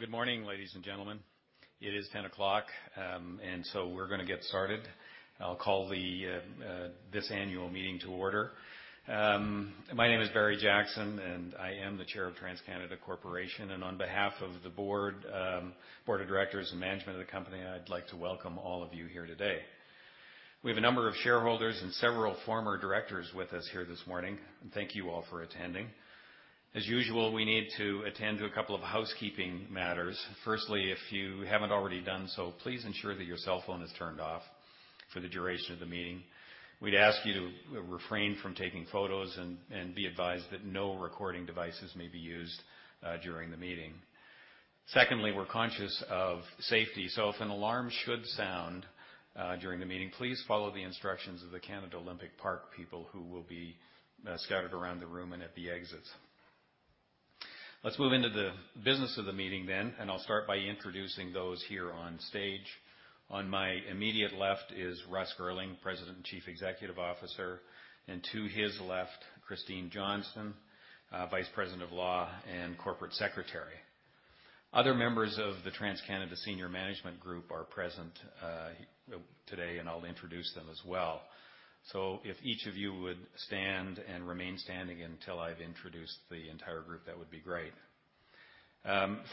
Good morning, ladies and gentlemen. It is 10:00 A.M., we're going to get started. I'll call this annual meeting to order. My name is Barry Jackson, and I am the Chair of TransCanada Corporation. On behalf of the Board of Directors and management of the company, I'd like to welcome all of you here today. We have a number of shareholders and several former directors with us here this morning, thank you all for attending. As usual, we need to attend to a couple of housekeeping matters. Firstly, if you haven't already done so, please ensure that your cellphone is turned off for the duration of the meeting. We'd ask you to refrain from taking photos and be advised that no recording devices may be used during the meeting. Secondly, we're conscious of safety. If an alarm should sound during the meeting, please follow the instructions of the Canada Olympic Park people who will be scattered around the room and at the exits. Let's move into the business of the meeting. I'll start by introducing those here on stage. On my immediate left is Russ Girling, President and Chief Executive Officer. To his left, Christine Johnston, Vice-President, Law and Corporate Secretary. Other members of the TransCanada senior management group are present today. I'll introduce them as well. If each of you would stand and remain standing until I've introduced the entire group, that would be great.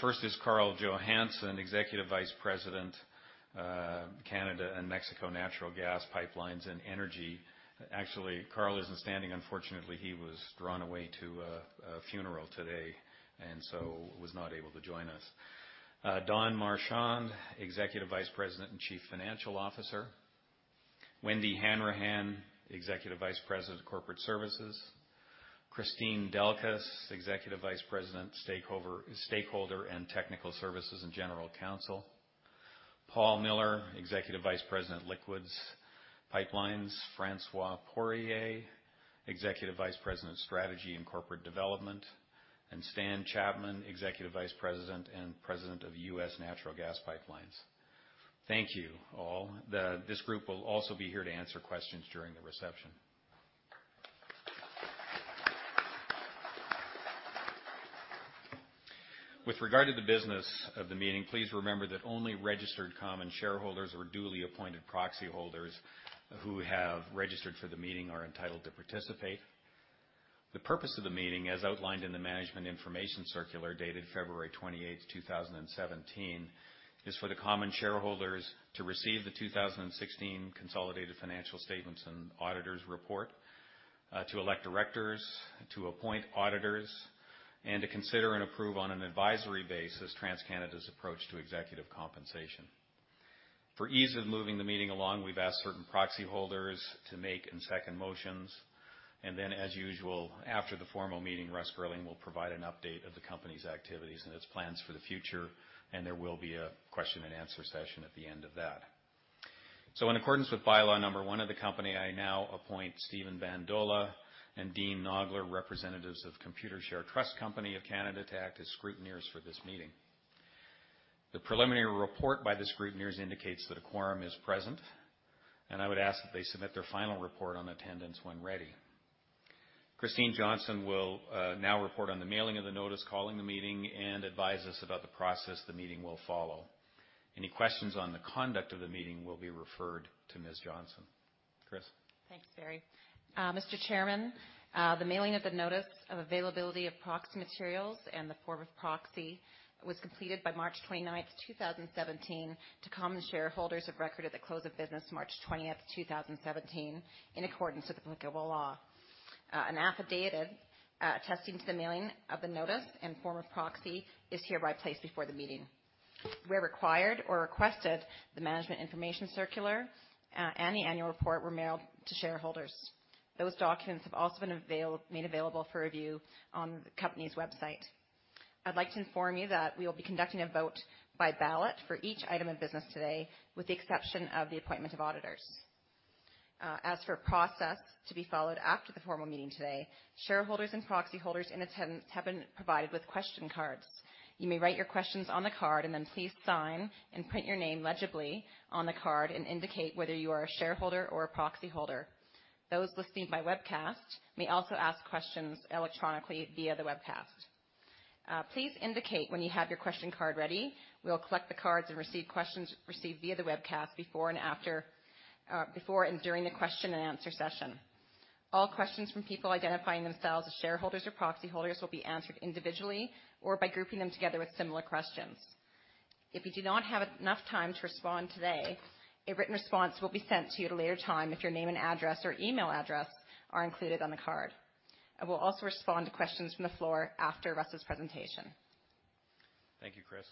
First is Karl Johannson, Executive Vice-President, Canada and Mexico Natural Gas Pipelines and Energy. Actually, Karl isn't standing. Unfortunately, he was drawn away to a funeral today, was not able to join us. Don Marchand, Executive Vice-President and Chief Financial Officer. Wendy Hanrahan, Executive Vice-President, Corporate Services. Kristine Delkus, Executive Vice-President, Stakeholder and Technical Services and General Counsel. Paul Miller, Executive Vice-President, Liquids Pipelines. François Poirier, Executive Vice-President, Strategy and Corporate Development. Stan Chapman, Executive Vice-President and President of U.S. Natural Gas Pipelines. Thank you, all. This group will also be here to answer questions during the reception. With regard to the business of the meeting, please remember that only registered common shareholders or duly appointed proxy holders who have registered for the meeting are entitled to participate. The purpose of the meeting, as outlined in the management information circular dated February 28th, 2017, is for the common shareholders to receive the 2016 consolidated financial statements and auditor's report, to elect directors, to appoint auditors, and to consider and approve on an advisory basis TransCanada's approach to executive compensation. For ease of moving the meeting along, we've asked certain proxy holders to make and second motions. As usual, after the formal meeting, Russ Girling will provide an update of the company's activities and its plans for the future, there will be a question and answer session at the end of that. In accordance with By-Law Number 1 of the company, I now appoint Steven Bandola and Dean Nogler, representatives of Computershare Trust Company of Canada to act as scrutineers for this meeting. The preliminary report by the scrutineers indicates that a quorum is present, I would ask that they submit their final report on attendance when ready. Christine Johnston will now report on the mailing of the notice calling the meeting and advise us about the process the meeting will follow. Any questions on the conduct of the meeting will be referred to Ms. Johnston. Chris? Thanks, Barry. Mr. Chairman, the mailing of the notice of availability of proxy materials and the form of proxy was completed by March 29, 2017, to common shareholders of record at the close of business March 20, 2017, in accordance with applicable law. An affidavit attesting to the mailing of the notice and form of proxy is hereby placed before the meeting. Where required or requested, the management information circular and the annual report were mailed to shareholders. Those documents have also been made available for review on the company's website. I'd like to inform you that we will be conducting a vote by ballot for each item of business today, with the exception of the appointment of auditors. As for process to be followed after the formal meeting today, shareholders and proxy holders in attendance have been provided with question cards. You may write your questions on the card, then please sign and print your name legibly on the card and indicate whether you are a shareholder or a proxy holder. Those listening by webcast may also ask questions electronically via the webcast. Please indicate when you have your question card ready. We'll collect the cards and receive questions received via the webcast before and during the question and answer session. All questions from people identifying themselves as shareholders or proxy holders will be answered individually or by grouping them together with similar questions. If we do not have enough time to respond today, a written response will be sent to you at a later time if your name and address or email address are included on the card. I will also respond to questions from the floor after Russ's presentation. Thank you, Chris.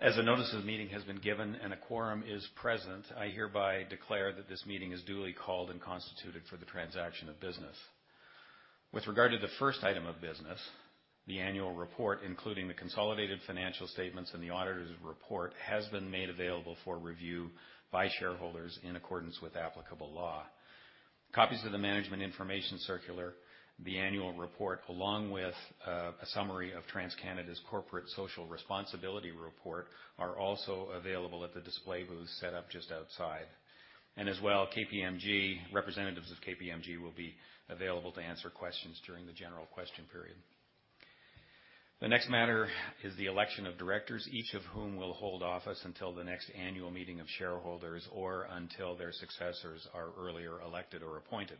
As a notice of the meeting has been given and a quorum is present, I hereby declare that this meeting is duly called and constituted for the transaction of business. With regard to the first item of business, the annual report, including the consolidated financial statements and the auditor's report, has been made available for review by shareholders in accordance with applicable law. Copies of the management information circular, the annual report, along with a summary of TransCanada's corporate social responsibility report, are also available at the display booth set up just outside. As well, representatives of KPMG will be available to answer questions during the general question period. The next matter is the election of directors, each of whom will hold office until the next annual meeting of shareholders or until their successors are earlier elected or appointed.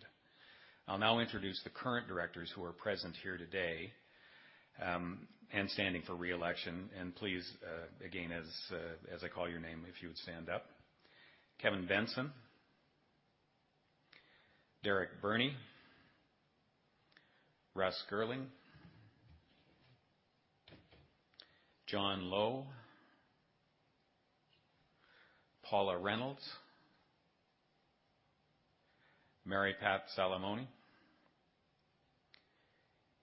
I'll now introduce the current directors who are present here today and standing for re-election. Please, again, as I call your name, if you would stand up. Kevin Benson. Derek Burney. Russ Girling. John Lowe. Paula Reynolds. Mary Pat Salomone.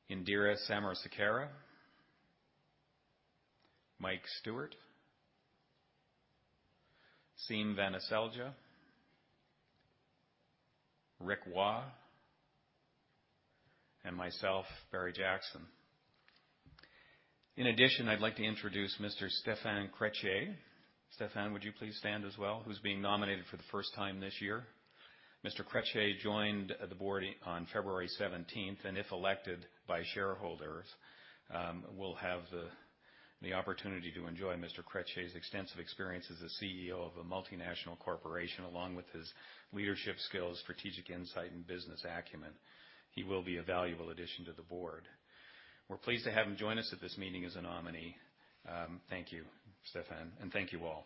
Indira Samarasekera. Mike Stewart. Siim Vanaselja. Rick Waugh, and myself, Barry Jackson. In addition, I'd like to introduce Mr. Stéphan Crétier. Stéphan, would you please stand as well? Who's being nominated for the first time this year. Mr. Crétier joined the board on February 17th, and if elected by shareholders, we'll have the opportunity to enjoy Mr. Crétier's extensive experience as a CEO of a multinational corporation, along with his leadership skills, strategic insight, and business acumen. He will be a valuable addition to the board. We're pleased to have him join us at this meeting as a nominee. Thank you, Stéphan, and thank you all.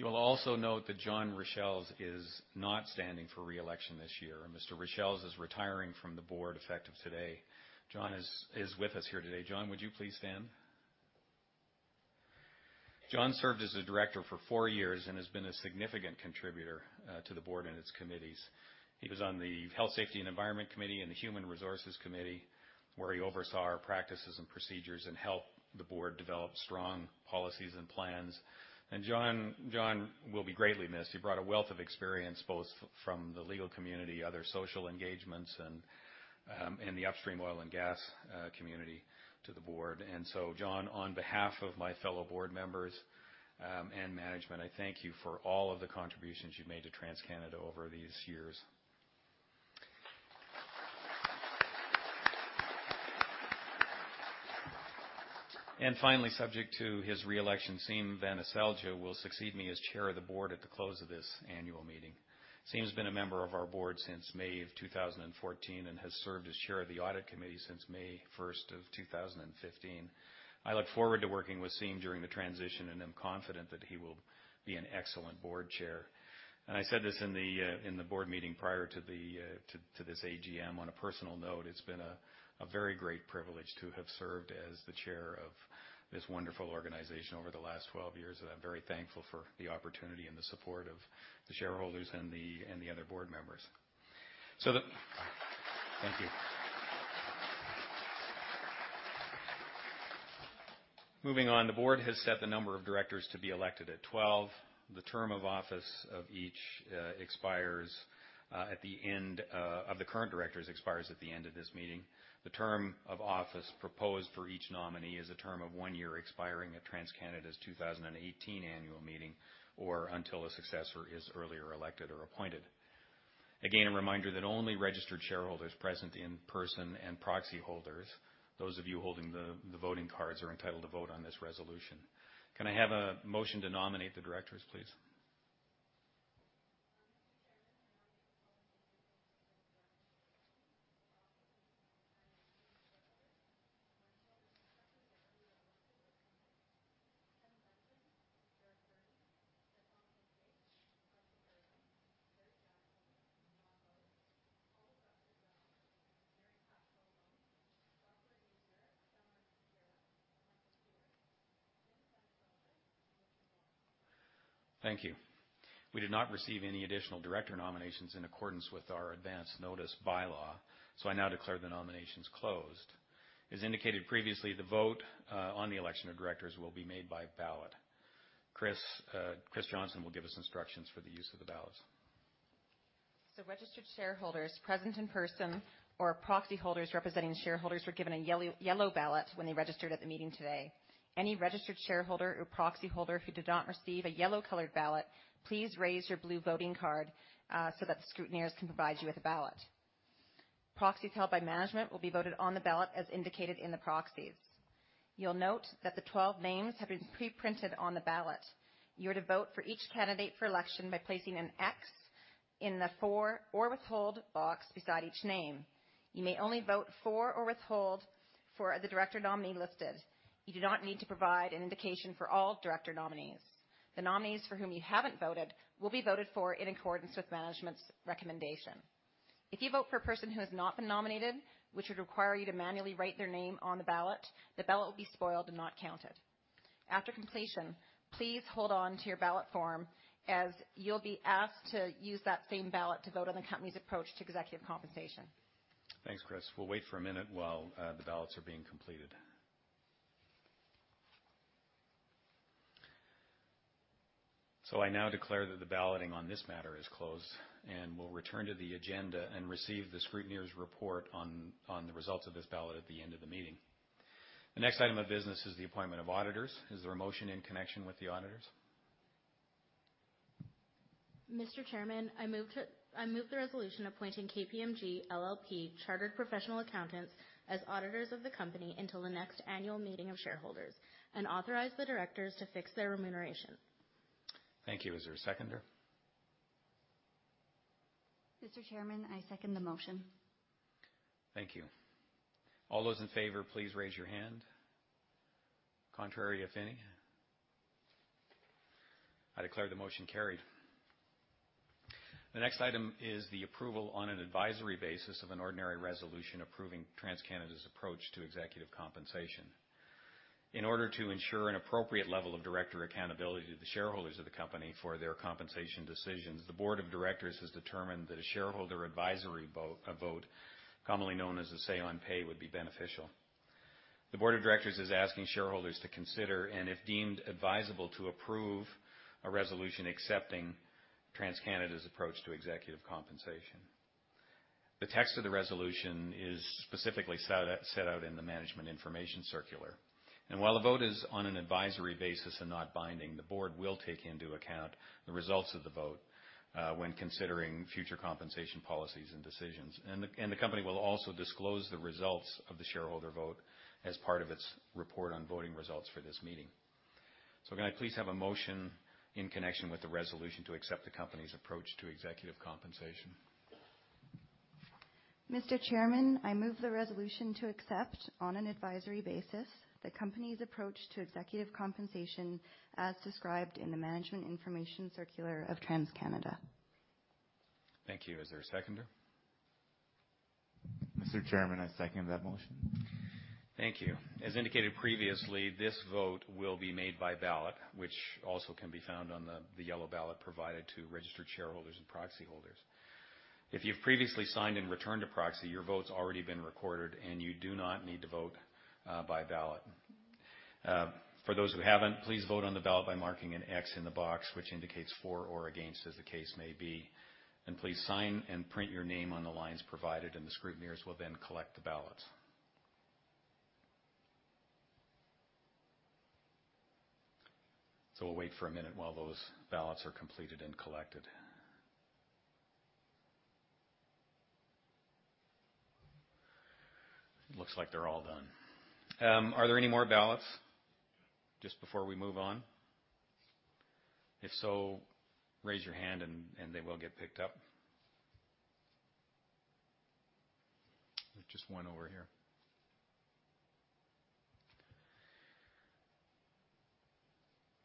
You will also note that John Richels is not standing for re-election this year. Mr. Richels is retiring from the board effective today. John is with us here today. John, would you please stand? John served as a director for four years and has been a significant contributor to the board and its committees. He was on the Health, Safety, and Environment Committee and the Human Resources Committee, where he oversaw our practices and procedures and helped the board develop strong policies and plans. John will be greatly missed. He brought a wealth of experience, both from the legal community, other social engagements, and in the upstream oil and gas community to the board. So John, on behalf of my fellow board members and management, I thank you for all of the contributions you've made to TransCanada over these years. Finally, subject to his re-election, Siim Vanaselja will succeed me as chair of the board at the close of this annual meeting. Siim's been a member of our board since May of 2014 and has served as chair of the audit committee since May 1st of 2015. I look forward to working with Siim during the transition and am confident that he will be an excellent board chair. I said this in the board meeting prior to this AGM on a personal note, it's been a very great privilege to have served as the chair of this wonderful organization over the last 12 years. I'm very thankful for the opportunity and the support of the shareholders and the other board members. Thank you. Moving on. The board has set the number of directors to be elected at 12. The term of office of each of the current directors expires at the end of this meeting. The term of office proposed for each nominee is a term of one year expiring at TransCanada's 2018 annual meeting or until a successor is earlier elected or appointed. Again, a reminder that only registered shareholders present in person and proxy holders, those of you holding the voting cards, are entitled to vote on this resolution. Can I have a motion to nominate the directors, please? Mr. Chairman, I now call Kevin Benson, Derek Burney, Stéphan Crétier, Russ Girling, Barry Jackson, John Lowe, Paula Reynolds, Mary Pat Salomone, Indira Samarasekera, Mike Stewart, Siim Vanaselja, and Rick Waugh. Thank you. We did not receive any additional director nominations in accordance with our advance notice bylaw. I now declare the nominations closed. As indicated previously, the vote on the election of directors will be made by ballot. Chris Johnston will give us instructions for the use of the ballots. Registered shareholders present in person or proxy holders representing shareholders were given a yellow ballot when they registered at the meeting today. Any registered shareholder or proxy holder who did not receive a yellow-colored ballot, please raise your blue voting card, that the scrutineers can provide you with a ballot. Proxies held by management will be voted on the ballot as indicated in the proxies. You'll note that the 12 names have been pre-printed on the ballot. You're to vote for each candidate for election by placing an X in the for or withhold box beside each name. You may only vote for or withhold for the director nominee listed. You do not need to provide an indication for all director nominees. The nominees for whom you haven't voted will be voted for in accordance with management's recommendation. If you vote for a person who has not been nominated, which would require you to manually write their name on the ballot, the ballot will be spoiled and not counted. After completion, please hold on to your ballot form as you'll be asked to use that same ballot to vote on the company's approach to executive compensation. Thanks, Chris. We'll wait for a minute while the ballots are being completed. I now declare that the balloting on this matter is closed, and we'll return to the agenda and receive the scrutineer's report on the results of this ballot at the end of the meeting. The next item of business is the appointment of auditors. Is there a motion in connection with the auditors? Mr. Chairman, I move the resolution appointing KPMG LLP Chartered Professional Accountants as auditors of the company until the next annual meeting of shareholders and authorize the directors to fix their remuneration. Thank you. Is there a seconder? Mr. Chairman, I second the motion. Thank you. All those in favor, please raise your hand. Contrary, if any. I declare the motion carried. The next item is the approval on an advisory basis of an ordinary resolution approving TransCanada's approach to executive compensation. In order to ensure an appropriate level of director accountability to the shareholders of the company for their compensation decisions, the board of directors has determined that a shareholder advisory vote, commonly known as a say on pay, would be beneficial. The board of directors is asking shareholders to consider, and if deemed advisable, to approve a resolution accepting TransCanada's approach to executive compensation. The text of the resolution is specifically set out in the management information circular. While the vote is on an advisory basis and not binding, the board will take into account the results of the vote, when considering future compensation policies and decisions. The company will also disclose the results of the shareholder vote as part of its report on voting results for this meeting. Can I please have a motion in connection with the resolution to accept the company's approach to executive compensation? Mr. Chairman, I move the resolution to accept, on an advisory basis, the company's approach to executive compensation as described in the management information circular of TransCanada. Thank you. Is there a seconder? Mr. Chairman, I second that motion. Thank you. As indicated previously, this vote will be made by ballot, which also can be found on the yellow ballot provided to registered shareholders and proxy holders. If you've previously signed and returned a proxy, your vote's already been recorded, and you do not need to vote by ballot. For those who haven't, please vote on the ballot by marking an X in the box, which indicates for or against, as the case may be. Please sign and print your name on the lines provided and the scrutineers will then collect the ballots. We'll wait for a minute while those ballots are completed and collected. Looks like they're all done. Are there any more ballots, just before we move on? If so, raise your hand and they will get picked up. There's just one over here.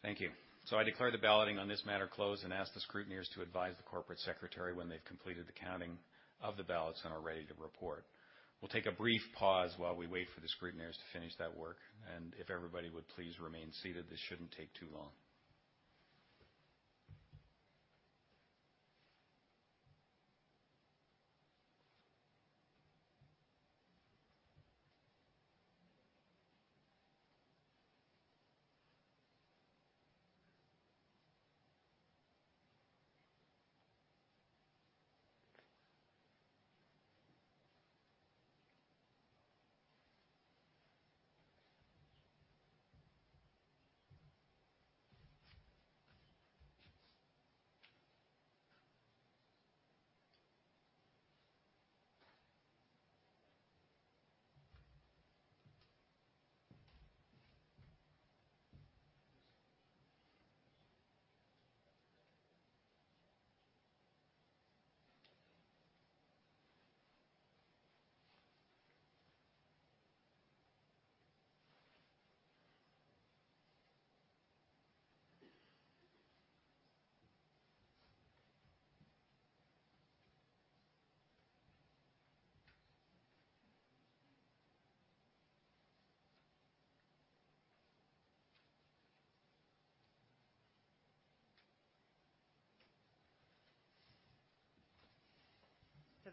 Thank you. I declare the balloting on this matter closed and ask the scrutineers to advise the corporate secretary when they've completed the counting of the ballots and are ready to report. We'll take a brief pause while we wait for the scrutineers to finish that work, and if everybody would please remain seated, this shouldn't take too long.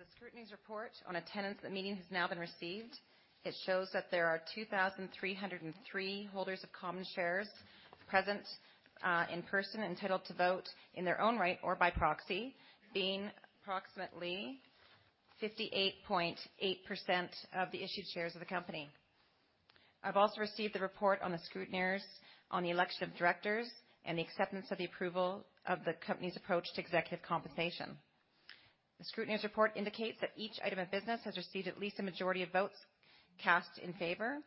The scrutineer's report on attendance at the meeting has now been received. It shows that there are 2,303 holders of common shares present, in person, entitled to vote in their own right or by proxy, being approximately 58.8% of the issued shares of the company. I've also received the report on the scrutineers on the election of directors and the acceptance of the approval of the company's approach to executive compensation. The scrutineer's report indicates that each item of business has received at least a majority of votes cast in favor.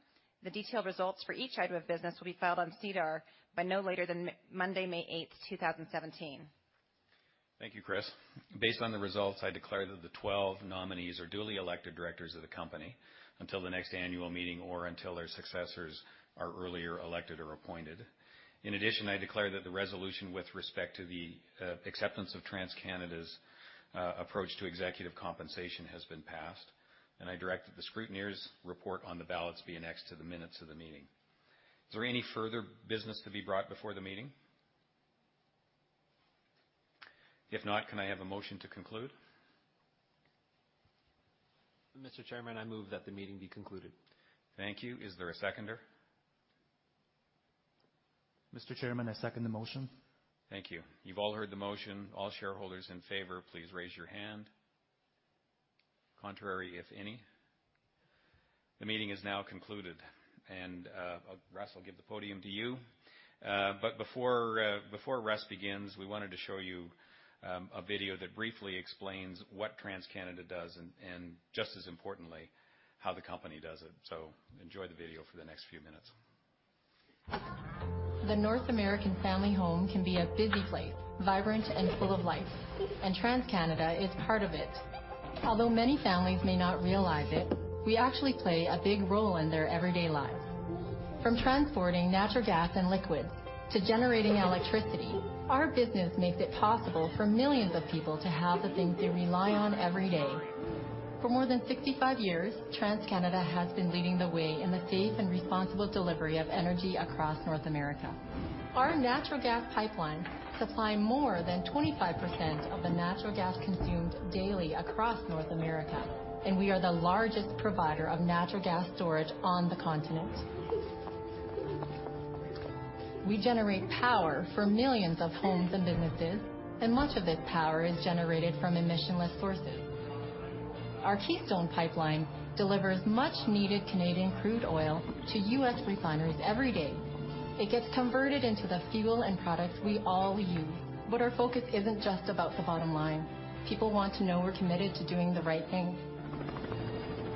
The detailed results for each item of business will be filed on SEDAR by no later than Monday, May 8th, 2017. Thank you, Chris. Based on the results, I declare that the 12 nominees are duly elected directors of the company until the next annual meeting or until their successors are earlier elected or appointed. In addition, I declare that the resolution with respect to the acceptance of TransCanada's approach to executive compensation has been passed, and I direct that the scrutineers' report on the ballots be annexed to the minutes of the meeting. Is there any further business to be brought before the meeting? If not, can I have a motion to conclude? Mr. Chairman, I move that the meeting be concluded. Thank you. Is there a seconder? Mr. Chairman, I second the motion. Thank you. You've all heard the motion. All shareholders in favor, please raise your hand. Contrary, if any. The meeting is now concluded. Russ, I'll give the podium to you. Before Russ begins, we wanted to show you a video that briefly explains what TransCanada does and just as importantly, how the company does it. Enjoy the video for the next few minutes. The North American family home can be a busy place, vibrant and full of life, and TransCanada is part of it. Although many families may not realize it, we actually play a big role in their everyday lives. From transporting natural gas and liquids to generating electricity, our business makes it possible for millions of people to have the things they rely on every day. For more than 65 years, TransCanada has been leading the way in the safe and responsible delivery of energy across North America. Our natural gas pipelines supply more than 25% of the natural gas consumed daily across North America, and we are the largest provider of natural gas storage on the continent. We generate power for millions of homes and businesses, and much of this power is generated from emissionless sources. Our Keystone Pipeline delivers much-needed Canadian crude oil to U.S. refineries every day. It gets converted into the fuel and products we all use. Our focus isn't just about the bottom line. People want to know we're committed to doing the right thing.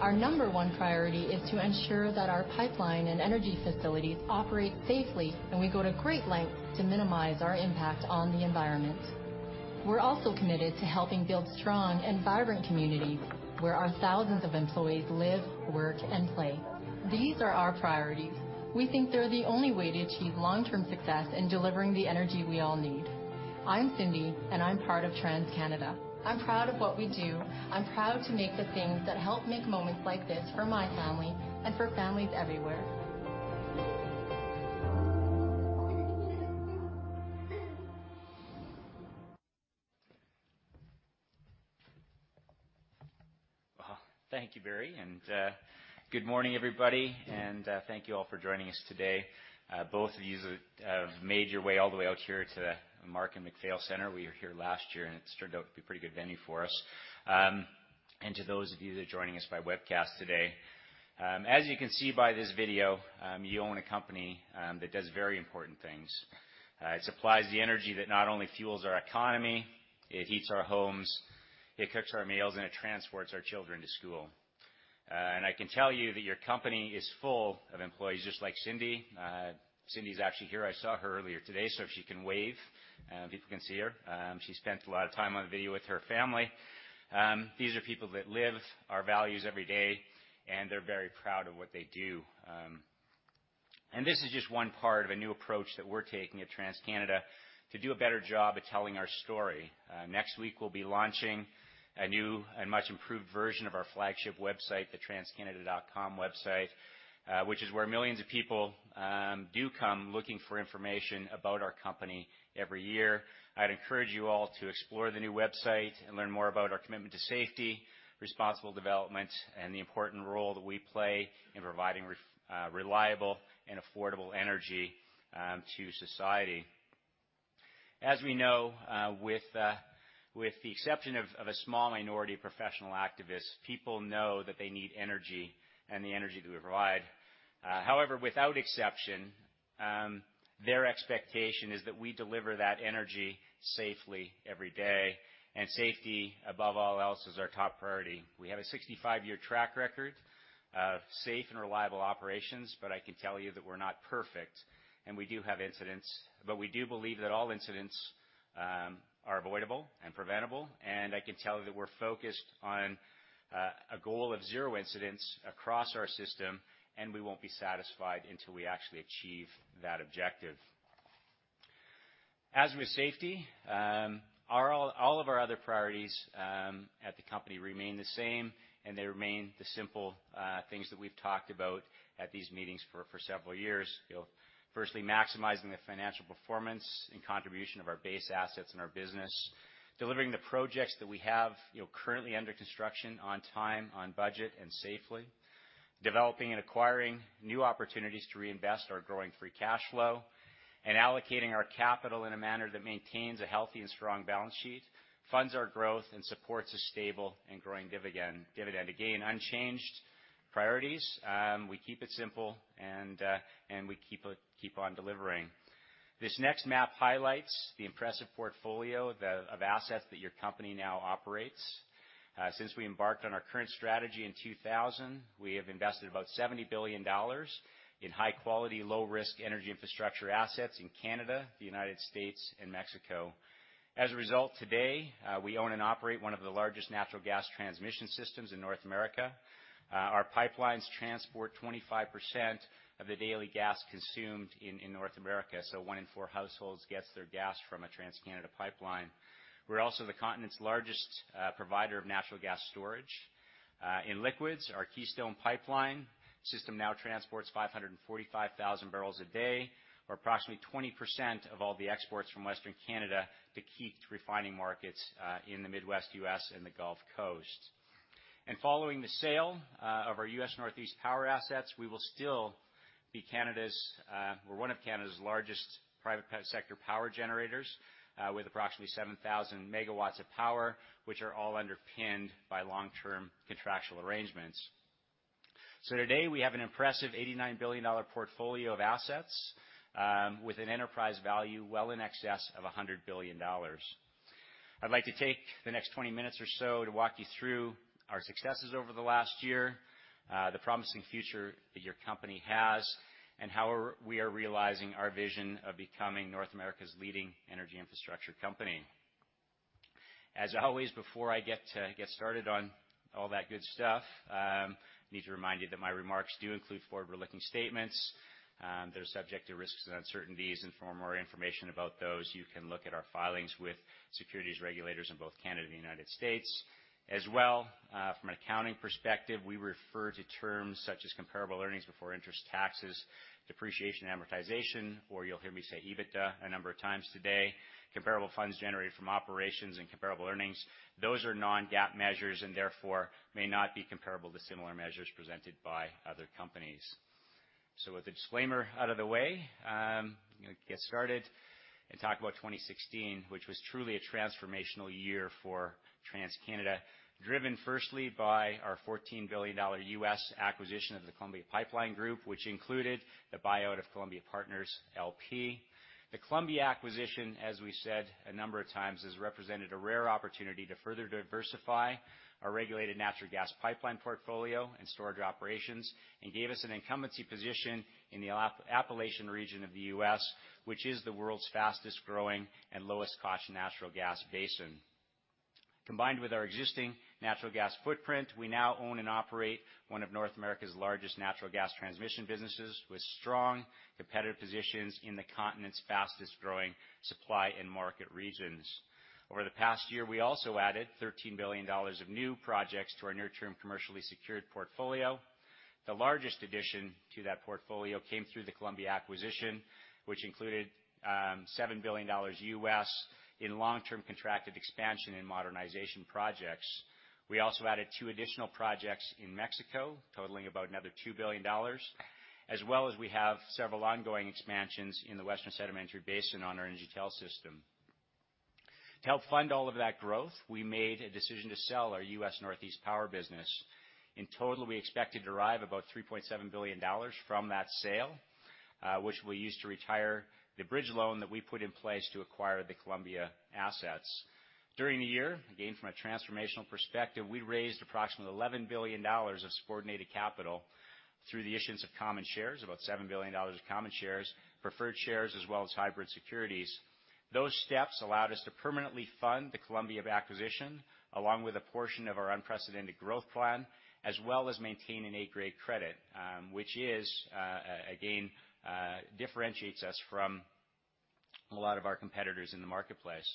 Our number 1 priority is to ensure that our pipeline and energy facilities operate safely, and we go to great lengths to minimize our impact on the environment. We're also committed to helping build strong and vibrant communities where our thousands of employees live, work, and play. These are our priorities. We think they're the only way to achieve long-term success in delivering the energy we all need. I'm Cindy, and I'm part of TransCanada. I'm proud of what we do. I'm proud to make the things that help make moments like this for my family and for families everywhere. Thank you, Barry, and good morning, everybody, and thank you all for joining us today. Both of you have made your way all the way out here to the Markin MacPhail Centre. We were here last year, and it's turned out to be a pretty good venue for us. To those of you that are joining us by webcast today. As you can see by this video, you own a company that does very important things. It supplies the energy that not only fuels our economy, it heats our homes, it cooks our meals, and it transports our children to school. I can tell you that your company is full of employees just like Cindy. Cindy's actually here. I saw her earlier today, so if she can wave, people can see her. She spent a lot of time on the video with her family. These are people that live our values every day, and they're very proud of what they do. This is just one part of a new approach that we're taking at TransCanada to do a better job at telling our story. Next week, we'll be launching a new and much-improved version of our flagship website, the transcanada.com website, which is where millions of people do come looking for information about our company every year. I'd encourage you all to explore the new website and learn more about our commitment to safety, responsible development, and the important role that we play in providing reliable and affordable energy to society. As we know, with the exception of a small minority of professional activists, people know that they need energy and the energy that we provide. Without exception, their expectation is that we deliver that energy safely every day, and safety, above all else, is our top priority. We have a 65-year track record of safe and reliable operations, I can tell you that we're not perfect, and we do have incidents. We do believe that all incidents are avoidable and preventable, and I can tell you that we're focused on a goal of zero incidents across our system, and we won't be satisfied until we actually achieve that objective. With safety, all of our other priorities at the company remain the same, and they remain the simple things that we've talked about at these meetings for several years. Maximizing the financial performance and contribution of our base assets and our business. Delivering the projects that we have currently under construction on time, on budget, and safely. Developing and acquiring new opportunities to reinvest our growing free cash flow. Allocating our capital in a manner that maintains a healthy and strong balance sheet, funds our growth, and supports a stable and growing dividend. Unchanged priorities. We keep it simple, and we keep on delivering. This next map highlights the impressive portfolio of assets that your company now operates. Since we embarked on our current strategy in 2000, we have invested about 70 billion dollars in high-quality, low-risk energy infrastructure assets in Canada, the U.S., and Mexico. As a result, today, we own and operate one of the largest natural gas transmission systems in North America. Our pipelines transport 25% of the daily gas consumed in North America. One in four households gets their gas from a TransCanada pipeline. We're also the continent's largest provider of natural gas storage. In liquids, our Keystone Pipeline system now transports 545,000 barrels a day, or approximately 20% of all the exports from Western Canada to key refining markets in the Midwest U.S. and the Gulf Coast. Following the sale of our U.S. Northeast Power assets, we will still be one of Canada's largest private sector power generators, with approximately 7,000 megawatts of power, which are all underpinned by long-term contractual arrangements. Today, we have an impressive 89 billion dollar portfolio of assets with an enterprise value well in excess of 100 billion dollars. I'd like to take the next 20 minutes or so to walk you through our successes over the last year, the promising future that your company has, and how we are realizing our vision of becoming North America's leading energy infrastructure company. As always, before I get started on all that good stuff, I need to remind you that my remarks do include forward-looking statements. They're subject to risks and uncertainties. For more information about those, you can look at our filings with securities regulators in both Canada and the U.S. From an accounting perspective, we refer to terms such as comparable earnings before interest taxes, depreciation, amortization, or you'll hear me say EBITDA a number of times today. Comparable funds generated from operations and comparable earnings, those are non-GAAP measures and therefore may not be comparable to similar measures presented by other companies. With the disclaimer out of the way, I'm going to get started and talk about 2016, which was truly a transformational year for TransCanada, driven firstly by our $14 billion U.S. acquisition of the Columbia Pipeline Group, which included the buyout of Columbia Pipeline Partners LP. The Columbia acquisition, as we said a number of times, has represented a rare opportunity to further diversify our regulated natural gas pipeline portfolio and storage operations and gave us an incumbency position in the Appalachian region of the U.S., which is the world's fastest-growing and lowest-cost natural gas basin. Combined with our existing natural gas footprint, we now own and operate one of North America's largest natural gas transmission businesses, with strong competitive positions in the continent's fastest-growing supply and market regions. Over the past year, we also added 13 billion dollars of new projects to our near-term commercially secured portfolio. The largest addition to that portfolio came through the Columbia acquisition, which included $7 billion U.S. in long-term contracted expansion and modernization projects. We also added 2 additional projects in Mexico totaling about another 2 billion dollars, as well as we have several ongoing expansions in the Western Canadian Sedimentary Basin on our NGTL system. To help fund all of that growth, we made a decision to sell our U.S. Northeast Power business. In total, we expect to derive about 3.7 billion dollars from that sale, which we'll use to retire the bridge loan that we put in place to acquire the Columbia assets. During the year, again from a transformational perspective, we raised approximately 11 billion dollars of subordinated capital through the issuance of common shares, about 7 billion dollars of common shares, preferred shares, as well as hybrid securities. Those steps allowed us to permanently fund the Columbia acquisition, along with a portion of our unprecedented growth plan, as well as maintain an A grade credit, which again differentiates us from a lot of our competitors in the marketplace.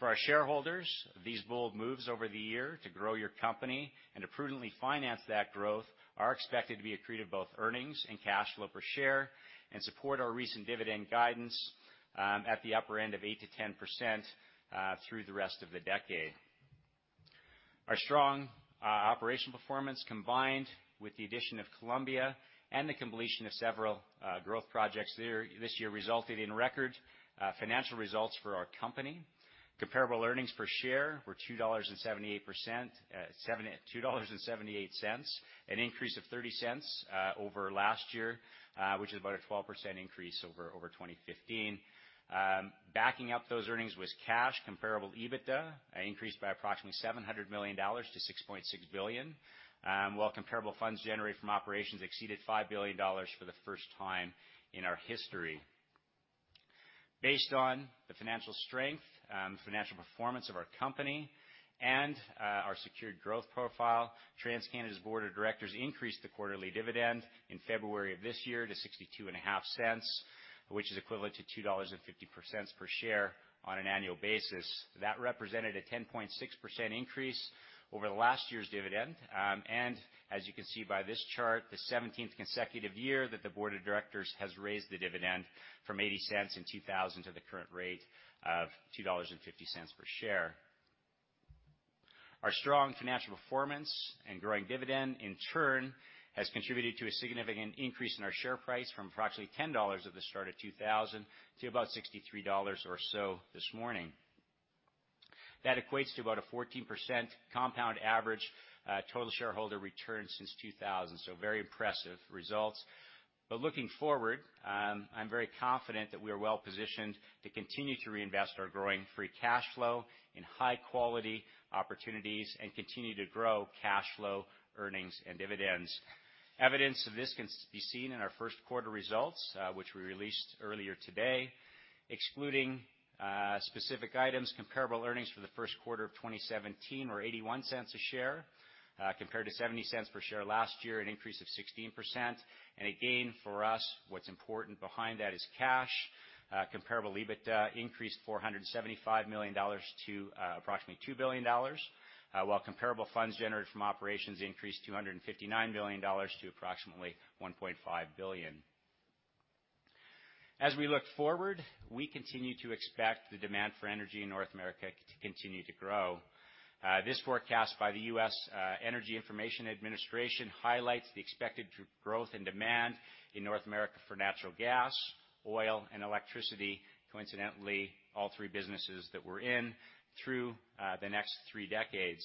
For our shareholders, these bold moves over the year to grow your company and to prudently finance that growth are expected to be accretive to both earnings and cash flow per share and support our recent dividend guidance at the upper end of 8%-10% through the rest of the decade. Our strong operational performance, combined with the addition of Columbia and the completion of several growth projects this year, resulted in record financial results for our company. Comparable earnings per share were 2.78 dollars, an increase of 0.30 over last year, which is about a 12% increase over 2015. Backing up those earnings was cash comparable EBITDA, increased by approximately 700 million dollars to 6.6 billion, while comparable funds generated from operations exceeded 5 billion dollars for the first time in our history. Based on the financial strength, financial performance of our company, and our secured growth profile, TransCanada's board of directors increased the quarterly dividend in February of this year to 0.625, which is equivalent to 2.50 dollars per share on an annual basis. That represented a 10.6% increase over last year's dividend. As you can see by this chart, the 17th consecutive year that the board of directors has raised the dividend from 0.80 in 2000 to the current rate of 2.50 dollars per share. Our strong financial performance and growing dividend, in turn, has contributed to a significant increase in our share price from approximately 10 dollars at the start of 2000 to about 63 dollars or so this morning. That equates to about a 14% compound average total shareholder return since 2000, so very impressive results. Looking forward, I'm very confident that we are well-positioned to continue to reinvest our growing free cash flow in high-quality opportunities and continue to grow cash flow, earnings, and dividends. Evidence of this can be seen in our first quarter results, which we released earlier today. Excluding specific items, comparable earnings for the first quarter of 2017 were 0.81 a share, compared to 0.70 per share last year, an increase of 16%. Again, for us, what's important behind that is cash. Comparable EBITDA increased 475 million dollars to approximately 2 billion dollars, while comparable funds generated from operations increased 259 million dollars to approximately 1.5 billion. As we look forward, we continue to expect the demand for energy in North America to continue to grow. This forecast by the U.S. Energy Information Administration highlights the expected growth in demand in North America for natural gas, oil, and electricity, coincidentally, all three businesses that we're in, through the next three decades.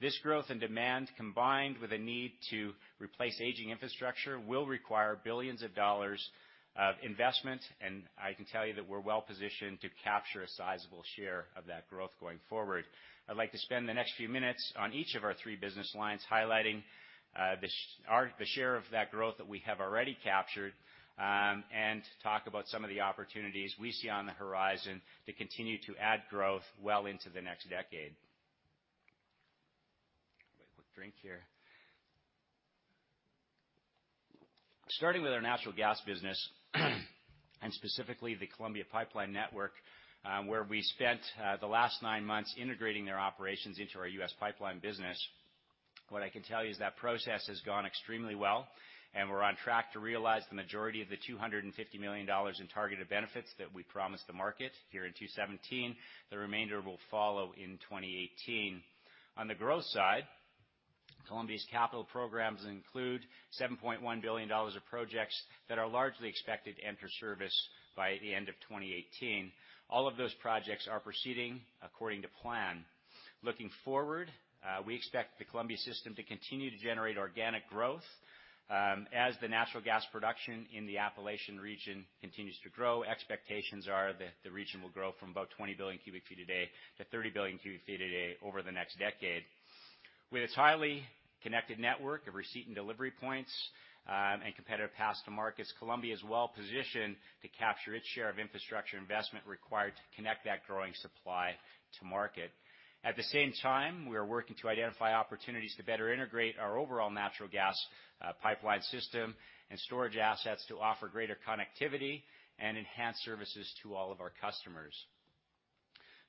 This growth in demand, combined with a need to replace aging infrastructure, will require billions of CAD of investment, and I can tell you that we're well-positioned to capture a sizable share of that growth going forward. I'd like to spend the next few minutes on each of our three business lines, highlighting the share of that growth that we have already captured, and talk about some of the opportunities we see on the horizon to continue to add growth well into the next decade. Wait. A quick drink here. Starting with our natural gas business and specifically the Columbia Pipeline network, where we spent the last nine months integrating their operations into our U.S. pipeline business. What I can tell you is that process has gone extremely well, and we're on track to realize the majority of the 250 million dollars in targeted benefits that we promised the market here in 2017. The remainder will follow in 2018. On the growth side, Columbia's capital programs include 7.1 billion dollars of projects that are largely expected to enter service by the end of 2018. All of those projects are proceeding according to plan. Looking forward, we expect the Columbia system to continue to generate organic growth. As the natural gas production in the Appalachian region continues to grow, expectations are that the region will grow from about 20 billion cubic feet a day to 30 billion cubic feet a day over the next decade. With its highly connected network of receipt and delivery points, and competitive pass to markets, Columbia is well-positioned to capture its share of infrastructure investment required to connect that growing supply to market. At the same time, we are working to identify opportunities to better integrate our overall natural gas pipeline system and storage assets to offer greater connectivity and enhance services to all of our customers.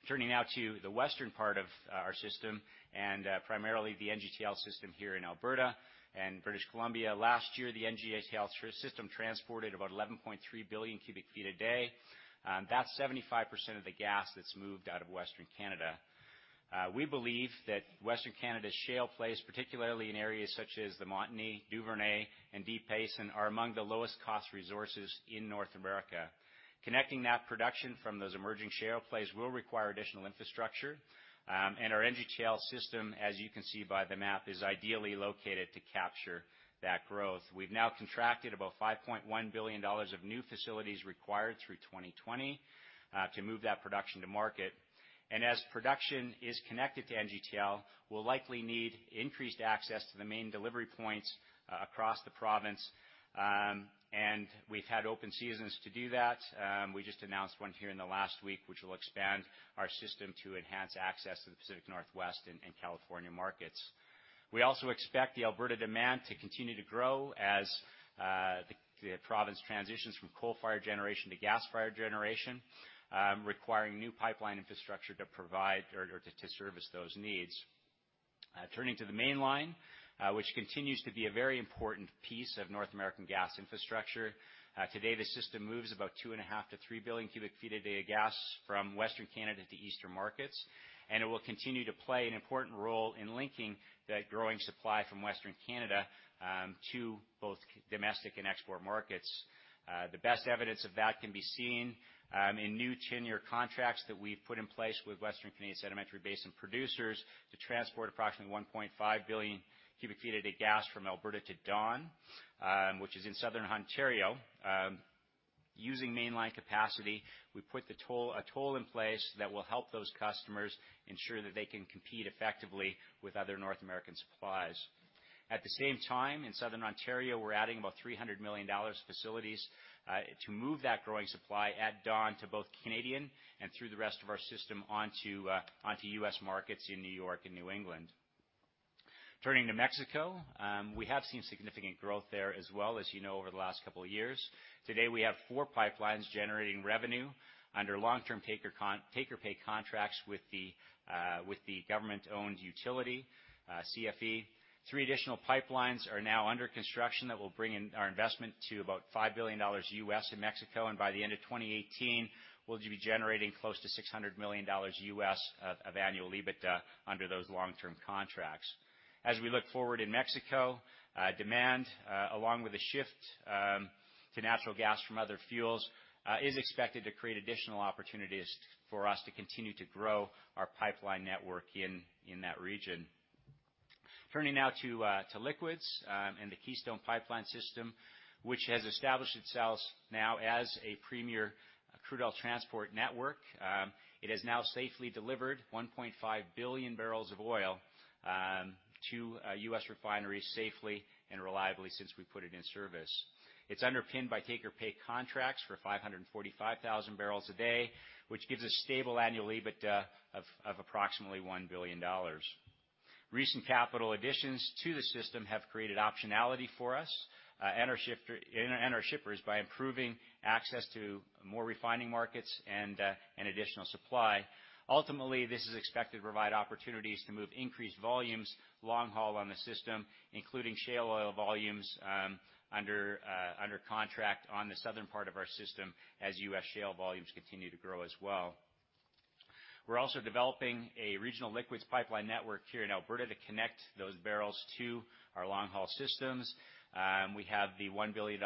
Turning now to the western part of our system, and primarily the NGTL system here in Alberta and British Columbia. Last year, the NGTL system transported about 11.3 billion cubic feet a day. That's 75% of the gas that's moved out of Western Canada. We believe that Western Canada's shale plays, particularly in areas such as the Montney, Duvernay, and Deep Basin, are among the lowest cost resources in North America. Connecting that production from those emerging shale plays will require additional infrastructure, and our NGTL system, as you can see by the map, is ideally located to capture that growth. We've now contracted about 5.1 billion dollars of new facilities required through 2020 to move that production to market. As production is connected to NGTL, we'll likely need increased access to the main delivery points across the province. We've had open seasons to do that. We just announced one here in the last week, which will expand our system to enhance access to the Pacific Northwest and California markets. We also expect the Alberta demand to continue to grow as the province transitions from coal-fired generation to gas-fired generation, requiring new pipeline infrastructure to service those needs. Turning to the mainline, which continues to be a very important piece of North American gas infrastructure. Today, the system moves about 2.5 to 3 billion cubic feet of data gas from Western Canada to eastern markets, and it will continue to play an important role in linking that growing supply from Western Canada to both domestic and export markets. The best evidence of that can be seen in new ten-year contracts that we've put in place with Western Canadian Sedimentary Basin producers to transport approximately 1.5 billion cubic feet of gas from Alberta to Dawn, which is in Southern Ontario. Using mainline capacity, we put a toll in place that will help those customers ensure that they can compete effectively with other North American supplies. At the same time, in Southern Ontario, we're adding about 300 million dollars facilities to move that growing supply at Dawn to both Canadian and through the rest of our system onto U.S. markets in New York and New England. Turning to Mexico, we have seen significant growth there as well as you know, over the last couple of years. Today, we have 4 pipelines generating revenue under long-term take-or-pay contracts with the government-owned utility, CFE. Three additional pipelines are now under construction that will bring in our investment to about $5 billion U.S. in Mexico. By the end of 2018, we'll be generating close to $600 million U.S. of annual EBITDA under those long-term contracts. As we look forward in Mexico, demand, along with a shift to natural gas from other fuels, is expected to create additional opportunities for us to continue to grow our pipeline network in that region. Turning now to liquids and the Keystone Pipeline system, which has established itself now as a premier crude oil transport network. It has now safely delivered 1.5 billion barrels of oil to U.S. refineries safely and reliably since we put it in service. It's underpinned by take-or-pay contracts for 545,000 barrels a day, which gives a stable annual EBITDA of approximately $1 billion. Recent capital additions to the system have created optionality for us and our shippers by improving access to more refining markets and additional supply. Ultimately, this is expected to provide opportunities to move increased volumes long haul on the system, including shale oil volumes under contract on the southern part of our system, as U.S. shale volumes continue to grow as well. We're also developing a regional liquids pipeline network here in Alberta to connect those barrels to our long-haul systems. We have the $1 billion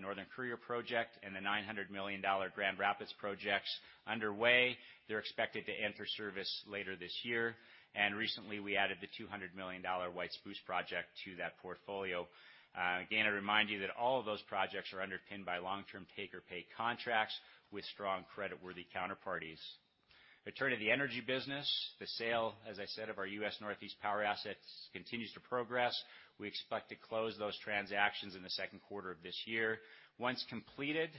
Northern Courier project and the $900 million Grand Rapids projects underway. They're expected to enter service later this year. Recently, we added the $200 million White Spruce project to that portfolio. Again, I remind you that all of those projects are underpinned by long-term take-or-pay contracts with strong creditworthy counterparties. Returning to the energy business, the sale, as I said, of our U.S. Northeast Power assets continues to progress. We expect to close those transactions in the second quarter of this year. Once completed,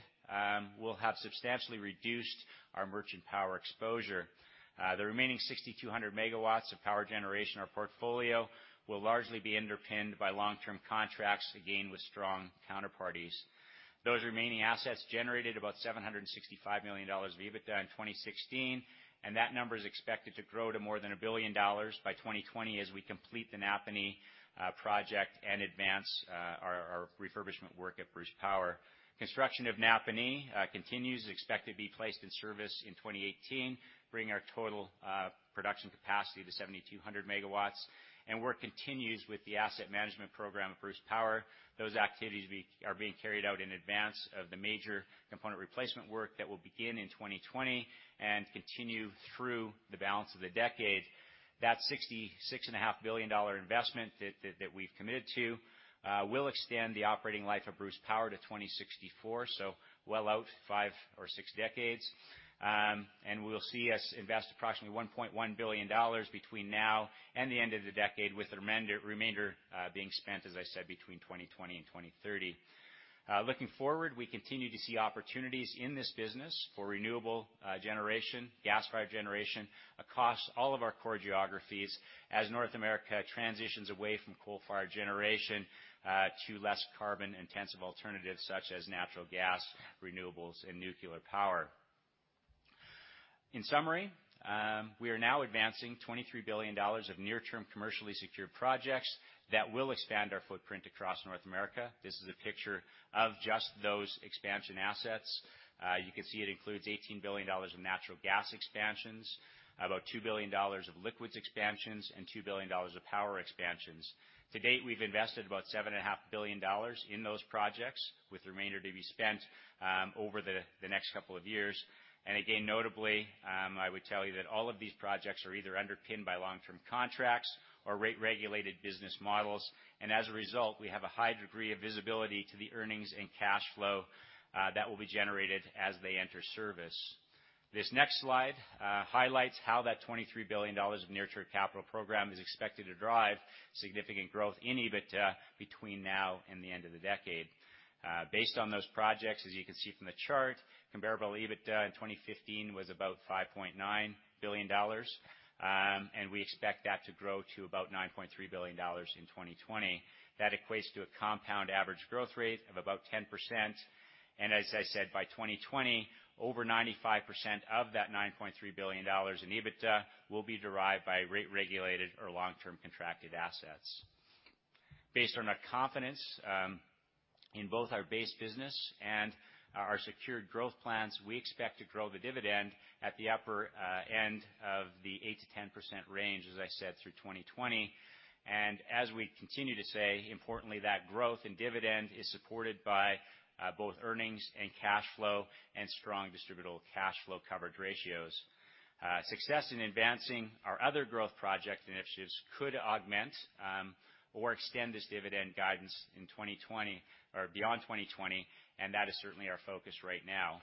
we'll have substantially reduced our merchant power exposure. The remaining 6,200 megawatts of power generation in our portfolio will largely be underpinned by long-term contracts, again, with strong counterparties. Those remaining assets generated about $765 million of EBITDA in 2016, and that number is expected to grow to more than $1 billion by 2020 as we complete the Napanee project and advance our refurbishment work at Bruce Power. Construction of Napanee continues, expected to be placed in service in 2018, bringing our total production capacity to 7,200 megawatts. Work continues with the asset management program at Bruce Power. Those activities are being carried out in advance of the major component replacement work that will begin in 2020 and continue through the balance of the decade. That $66.5 billion investment that we've committed to will extend the operating life of Bruce Power to 2064, so well out five or six decades. Will see us invest approximately $1.1 billion between now and the end of the decade, with the remainder being spent, as I said, between 2020 and 2030. Looking forward, we continue to see opportunities in this business for renewable generation, gas-fired generation, across all of our core geographies as North America transitions away from coal-fired generation to less carbon-intensive alternatives such as natural gas, renewables, and nuclear power. In summary, we are now advancing $23 billion of near-term commercially secured projects that will expand our footprint across North America. This is a picture of just those expansion assets. You can see it includes 18 billion dollars of natural gas expansions, about 2 billion dollars of liquids expansions, and 2 billion dollars of power expansions. To date, we've invested about 7.5 billion dollars in those projects, with the remainder to be spent over the next couple of years. Notably, I would tell you that all of these projects are either underpinned by long-term contracts or rate-regulated business models. As a result, we have a high degree of visibility to the earnings and cash flow that will be generated as they enter service. This next slide highlights how that 23 billion dollars of near-term capital program is expected to drive significant growth in EBITDA between now and the end of the decade. Based on those projects, as you can see from the chart, comparable EBITDA in 2015 was about 5.9 billion dollars, and we expect that to grow to about 9.3 billion dollars in 2020. That equates to a compound average growth rate of about 10%. As I said, by 2020, over 95% of that 9.3 billion dollars in EBITDA will be derived by rate-regulated or long-term contracted assets. Based on our confidence in both our base business and our secured growth plans, we expect to grow the dividend at the upper end of the 8%-10% range, as I said, through 2020. As we continue to say, importantly, that growth in dividend is supported by both earnings and cash flow and strong distributable cash flow coverage ratios. Success in advancing our other growth project initiatives could augment or extend this dividend guidance in 2020 or beyond 2020, that is certainly our focus right now.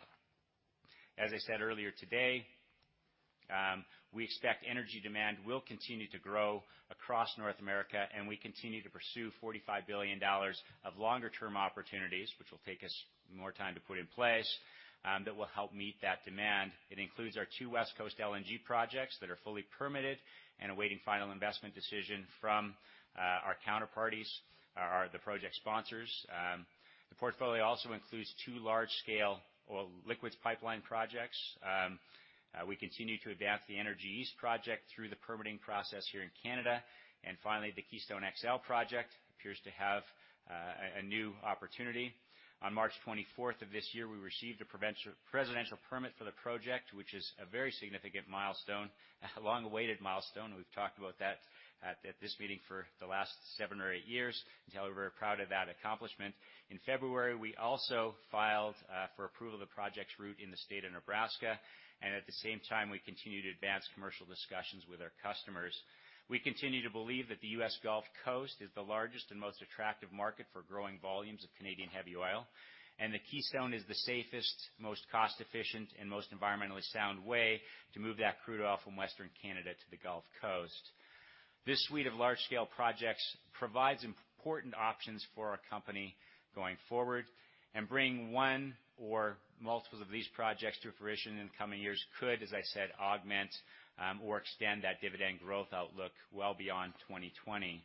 As I said earlier today, we expect energy demand will continue to grow across North America, we continue to pursue 45 billion dollars of longer-term opportunities, which will take us more time to put in place, that will help meet that demand. It includes our two West Coast LNG projects that are fully permitted and awaiting final investment decision from our counterparties, the project sponsors. The portfolio also includes two large-scale oil liquids pipeline projects. We continue to advance the Energy East project through the permitting process here in Canada. Finally, the Keystone XL project appears to have a new opportunity. On March 24th of this year, we received a presidential permit for the project, which is a very significant milestone, a long-awaited milestone. We've talked about that at this meeting for the last seven or eight years. I can tell you we're very proud of that accomplishment. In February, we also filed for approval of the project's route in the state of Nebraska, at the same time, we continue to advance commercial discussions with our customers. We continue to believe that the U.S. Gulf Coast is the largest and most attractive market for growing volumes of Canadian heavy oil, the Keystone is the safest, most cost-efficient, and most environmentally sound way to move that crude oil from Western Canada to the Gulf Coast. This suite of large-scale projects provides important options for our company going forward and bring one or multiple of these projects to fruition in the coming years could, as I said, augment or extend that dividend growth outlook well beyond 2020.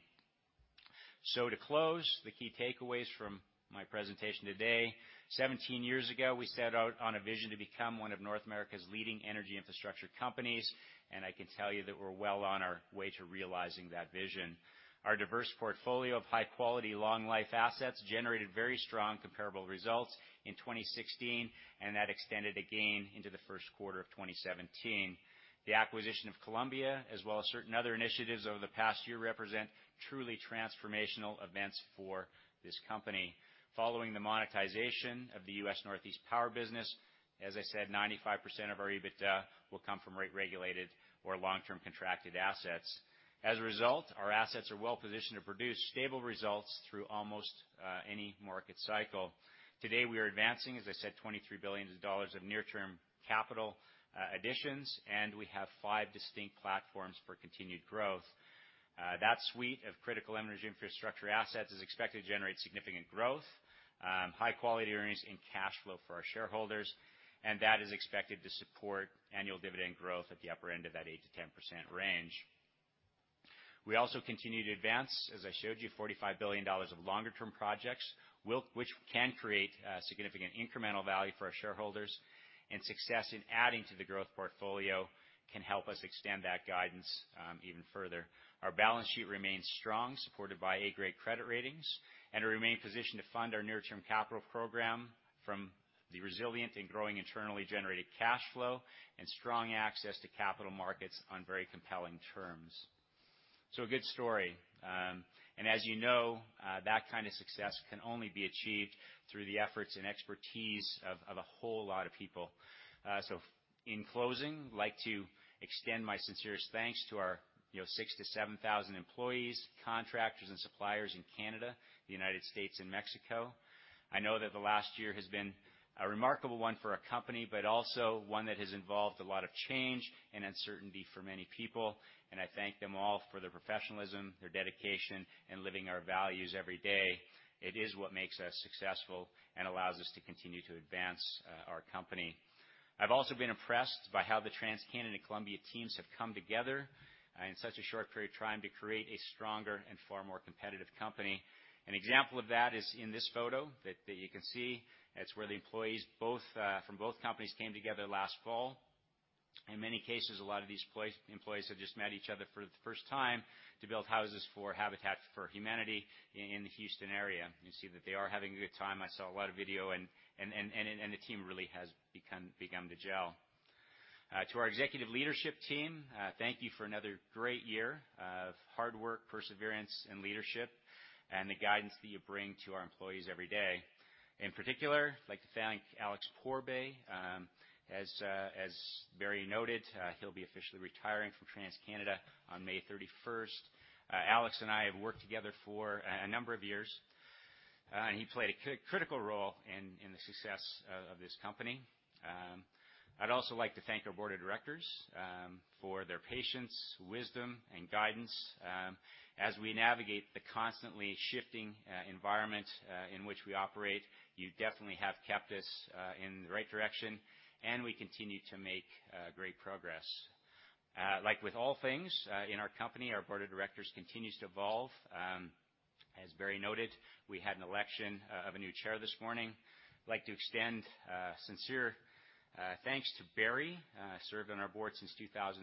To close, the key takeaways from my presentation today, 17 years ago, we set out on a vision to become one of North America's leading energy infrastructure companies, and I can tell you that we're well on our way to realizing that vision. Our diverse portfolio of high-quality, long-life assets generated very strong comparable results in 2016, and that extended again into the first quarter of 2017. The acquisition of Columbia, as well as certain other initiatives over the past year, represent truly transformational events for this company. Following the monetization of the U.S. U.S. Northeast Power business, as I said, 95% of our EBITDA will come from regulated or long-term contracted assets. As a result, our assets are well-positioned to produce stable results through almost any market cycle. Today, we are advancing, as I said, 23 billion dollars of near-term capital additions, and we have five distinct platforms for continued growth. That suite of critical energy infrastructure assets is expected to generate significant growth, high quality earnings, and cash flow for our shareholders, and that is expected to support annual dividend growth at the upper end of that 8%-10% range. We also continue to advance, as I showed you, 45 billion dollars of longer-term projects, which can create significant incremental value for our shareholders. Success in adding to the growth portfolio can help us extend that guidance even further. Our balance sheet remains strong, supported by A-grade credit ratings, and we remain positioned to fund our near-term capital program from the resilient and growing internally generated cash flow and strong access to capital markets on very compelling terms. A good story. As you know, that kind of success can only be achieved through the efforts and expertise of a whole lot of people. In closing, I'd like to extend my sincerest thanks to our 6,000-7,000 employees, contractors, and suppliers in Canada, the U.S., and Mexico. I know that the last year has been a remarkable one for our company, but also one that has involved a lot of change and uncertainty for many people, and I thank them all for their professionalism, their dedication, and living our values every day. It is what makes us successful and allows us to continue to advance our company. I've also been impressed by how the TransCanada and Columbia teams have come together in such a short period, trying to create a stronger and far more competitive company. An example of that is in this photo that you can see. That's where the employees from both companies came together last fall. In many cases, a lot of these employees had just met each other for the first time to build houses for Habitat for Humanity in the Houston area. You see that they are having a good time. I saw a lot of video, the team really has begun to gel. To our executive leadership team, thank you for another great year of hard work, perseverance, and leadership and the guidance that you bring to our employees every day. In particular, I'd like to thank Alex Pourbaix. As Barry noted, he'll be officially retiring from TransCanada on May 31st. Alex and I have worked together for a number of years, and he played a critical role in the success of this company. I'd also like to thank our board of directors for their patience, wisdom, and guidance. As we navigate the constantly shifting environment in which we operate, you definitely have kept us in the right direction, and we continue to make great progress. Like with all things in our company, our board of directors continues to evolve. As Barry noted, we had an election of a new chair this morning. I'd like to extend sincere thanks to Barry, served on our board since 2005,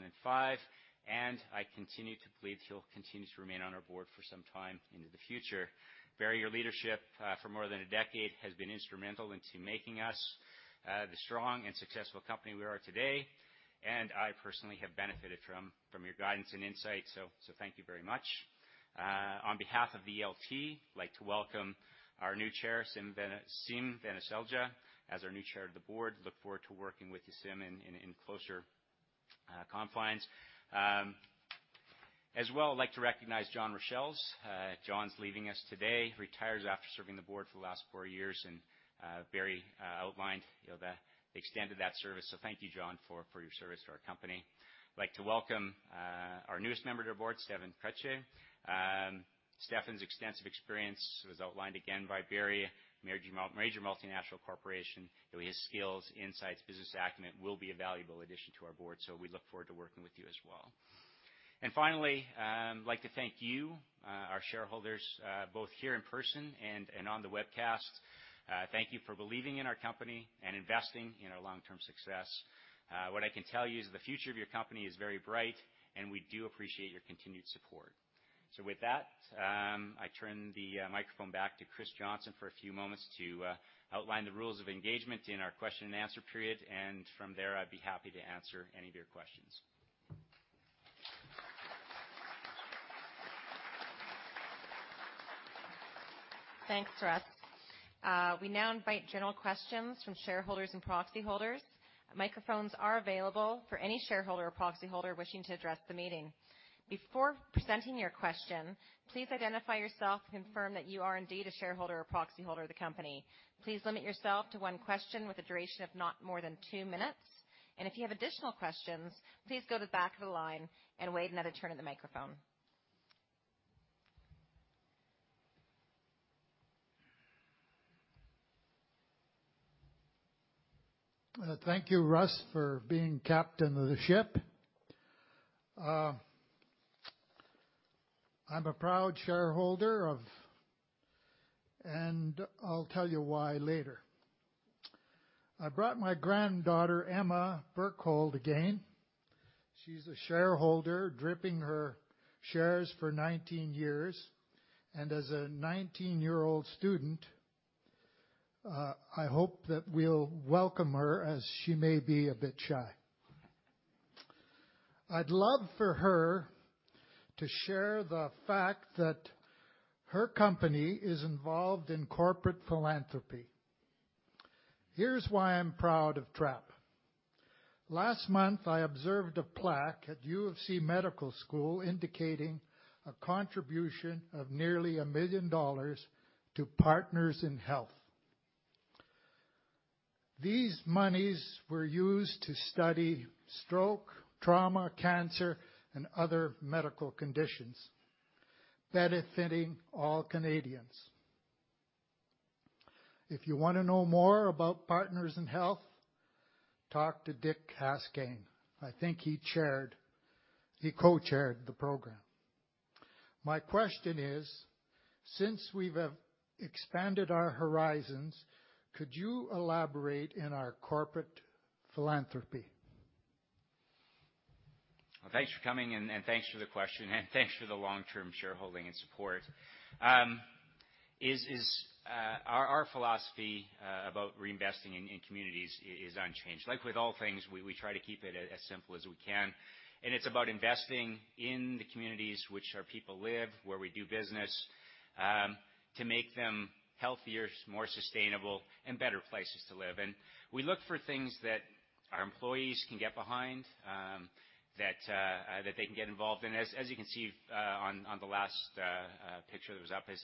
and I continue to believe he'll continue to remain on our board for some time into the future. Barry, your leadership for more than a decade has been instrumental in making us the strong and successful company we are today, and I personally have benefited from your guidance and insight. Thank you very much. On behalf of the LT, I'd like to welcome our new chair, Siim Vanaselja, as our new chair of the board. Look forward to working with you, Siim, in closer confines. I'd like to recognize John Richels. John's leaving us today, retires after serving the board for the last four years, and Barry outlined the extent of that service. Thank you, John, for your service to our company. I'd like to welcome our newest member to our board, Stéphan Crétier. Stéphan's extensive experience was outlined again by Barry, major multinational corporation. His skills, insights, business acumen will be a valuable addition to our board, we look forward to working with you as well. Finally, I'd like to thank you, our shareholders, both here in person and on the webcast. Thank you for believing in our company and investing in our long-term success. What I can tell you is the future of your company is very bright, and we do appreciate your continued support. With that, I turn the microphone back to Christine Johnston for a few moments to outline the rules of engagement in our question and answer period, and from there, I'd be happy to answer any of your questions. Thanks, Russ. We now invite general questions from shareholders and proxy holders. Microphones are available for any shareholder or proxy holder wishing to address the meeting. Before presenting your question, please identify yourself and confirm that you are indeed a shareholder or proxy holder of the company. Please limit yourself to one question with a duration of not more than two minutes. If you have additional questions, please go to the back of the line and wait another turn of the microphone. Thank you, Russ, for being captain of the ship. I'm a proud shareholder, and I'll tell you why later. I brought my granddaughter, Emma Burkhold, again. She's a shareholder, DRIPping her shares for 19 years. As a 19-year-old student, I hope that we'll welcome her as she may be a bit shy. I'd love for her to share the fact that her company is involved in corporate philanthropy. Here's why I'm proud of TRP. Last month, I observed a plaque at U of C Medical School indicating a contribution of nearly 1 million dollars to Partners In Health. These monies were used to study stroke, trauma, cancer, and other medical conditions benefiting all Canadians. If you want to know more about Partners In Health, talk to Dick Haskayne. I think he co-chaired the program. My question is, since we've expanded our horizons, could you elaborate in our corporate philanthropy? Well, thanks for coming in, and thanks for the question, and thanks for the long-term shareholding and support. Our philosophy about reinvesting in communities is unchanged. Like with all things, we try to keep it as simple as we can, and it's about investing in the communities which our people live, where we do business, to make them healthier, more sustainable, and better places to live in. We look for things that our employees can get behind, that they can get involved in. As you can see on the last picture that was up, is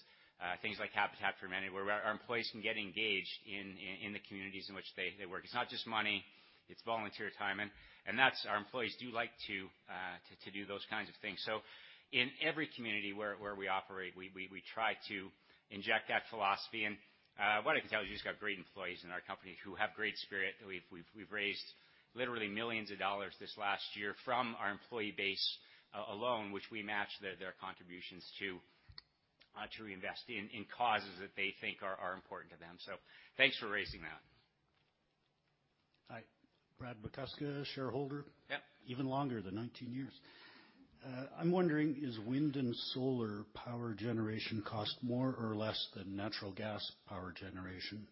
things like Habitat for Humanity, where our employees can get engaged in the communities in which they work. It's not just money, it's volunteer time, and our employees do like to do those kinds of things. In every community where we operate, we try to inject that philosophy. What I can tell you is we've got great employees in our company who have great spirit. We've raised literally millions of CAD this last year from our employee base alone, which we match their contributions to reinvest in causes that they think are important to them. Thanks for raising that. Hi. Brad McCusker, shareholder. Yep. Even longer than 19 years. I'm wondering, does wind and solar power generation cost more or less than natural gas power generation?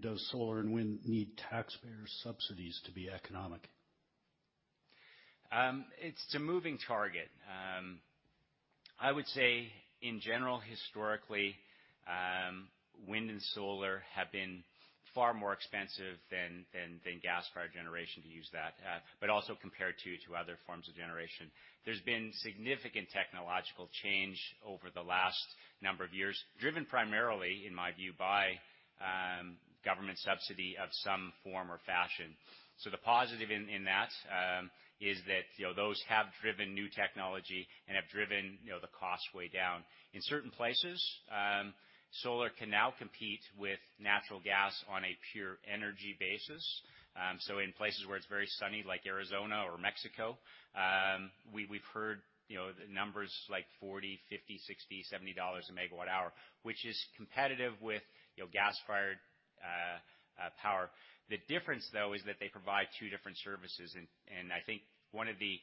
Does solar and wind need taxpayer subsidies to be economic? It's a moving target. I would say in general, historically, wind and solar have been far more expensive than gas-fired generation to use that, but also compared to other forms of generation. There's been significant technological change over the last number of years, driven primarily, in my view, by government subsidy of some form or fashion. The positive in that is that those have driven new technology and have driven the cost way down. In certain places, solar can now compete with natural gas on a pure energy basis. In places where it's very sunny, like Arizona or Mexico, we've heard numbers like 40, 50, 60, 70 dollars a megawatt hour, which is competitive with gas-fired power. The difference, though, is that they provide two different services, and I think one of the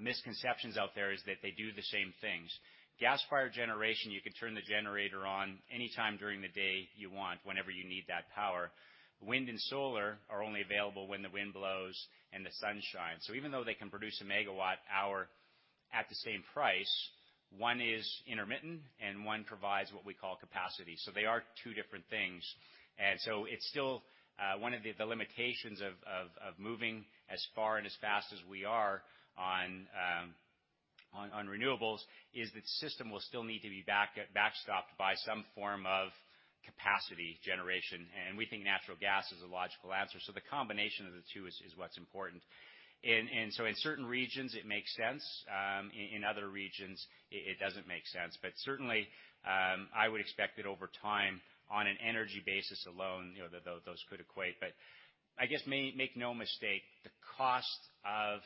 misconceptions out there is that they do the same things. Gas-fired generation, you can turn the generator on anytime during the day you want, whenever you need that power. Wind and solar are only available when the wind blows and the sun shines. Even though they can produce a megawatt hour at the same price, one is intermittent, and one provides what we call capacity. They are two different things. It's still one of the limitations of moving as far and as fast as we are on renewables is that the system will still need to be backstopped by some form of capacity generation, and we think natural gas is a logical answer. The combination of the two is what's important. In certain regions, it makes sense. In other regions, it doesn't make sense. Certainly, I would expect that over time, on an energy basis alone, those could equate. I guess make no mistake, the cost of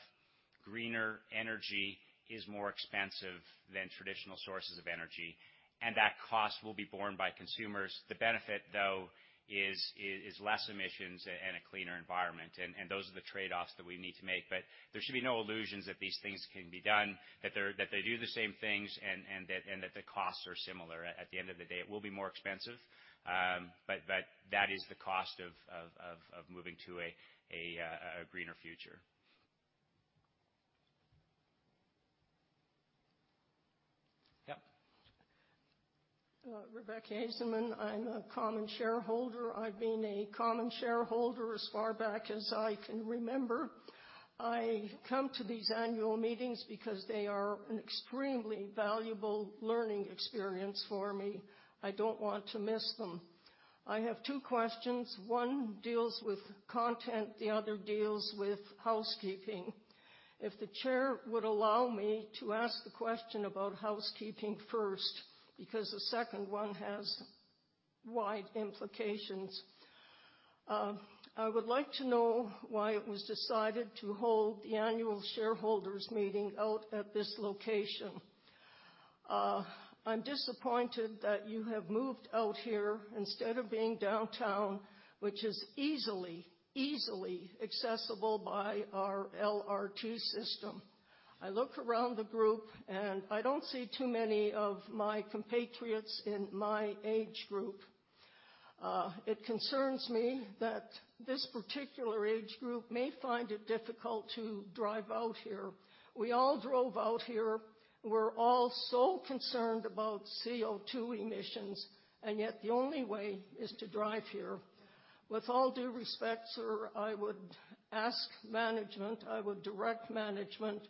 greener energy is more expensive than traditional sources of energy, and that cost will be borne by consumers. The benefit, though, is less emissions and a cleaner environment, and those are the trade-offs that we need to make. There should be no illusions that these things can be done, that they do the same things, and that the costs are similar. At the end of the day, it will be more expensive, but that is the cost of moving to a greener future. Yep. Rebecca Hazelman. I'm a common shareholder. I've been a common shareholder as far back as I can remember. I come to these annual meetings because they are an extremely valuable learning experience for me. I don't want to miss them. I have two questions. One deals with content, the other deals with housekeeping. If the chair would allow me to ask the question about housekeeping first, because the second one has wide implications. I would like to know why it was decided to hold the annual shareholders' meeting out at this location. I'm disappointed that you have moved out here instead of being downtown, which is easily accessible by our LRT system. I look around the group, and I don't see too many of my compatriots in my age group. It concerns me that this particular age group may find it difficult to drive out here. We all drove out here. Yet the only way is to drive here. With all due respect, sir, I would ask management, I would direct management,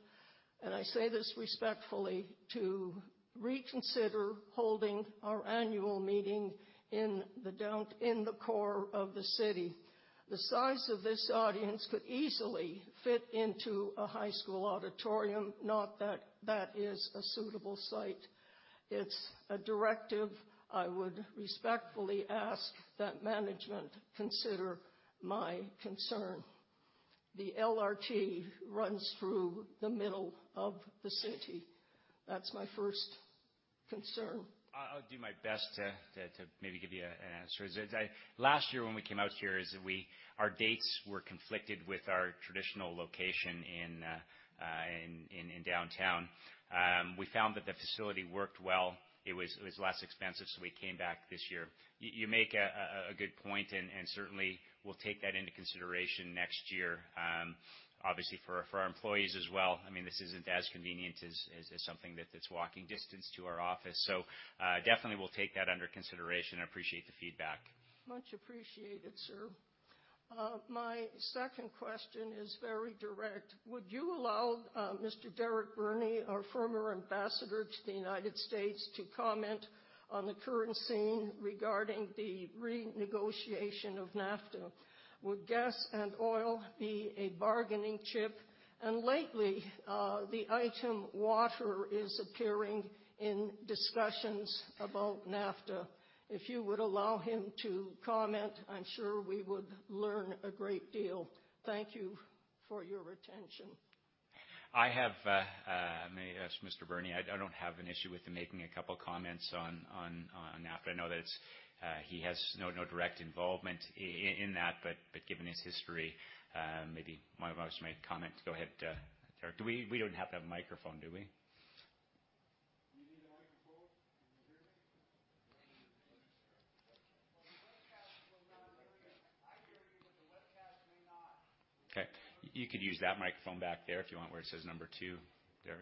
I say this respectfully, to reconsider holding our annual meeting in the core of the city. The size of this audience could easily fit into a high school auditorium, not that that is a suitable site. It's a directive. I would respectfully ask that management consider my concern. The LRT runs through the middle of the city. That's my first concern. I'll do my best to maybe give you an answer. Last year when we came out here, our dates were conflicted with our traditional location in downtown. We found that the facility worked well. It was less expensive. We came back this year. You make a good point. Certainly, we'll take that into consideration next year. Obviously for our employees as well. This isn't as convenient as something that's walking distance to our office. Definitely, we'll take that under consideration. I appreciate the feedback. Much appreciated, sir. My second question is very direct. Would you allow Mr. Derek Burney, our former ambassador to the U.S., to comment on the current scene regarding the renegotiation of NAFTA? Would gas and oil be a bargaining chip? Lately, the item water is appearing in discussions about NAFTA. If you would allow him to comment, I'm sure we would learn a great deal. Thank you for your attention. May I ask Mr. Burney? I don't have an issue with him making a couple comments on NAFTA. I know that he has no direct involvement in that, but given his history, maybe my boss might comment. Go ahead, Derek. We don't have to have a microphone, do we? You need a microphone? Can you hear me? Well, the webcast will not hear you. I hear you, but the webcast may not. Okay. You could use that microphone back there if you want, where it says number two, Derek.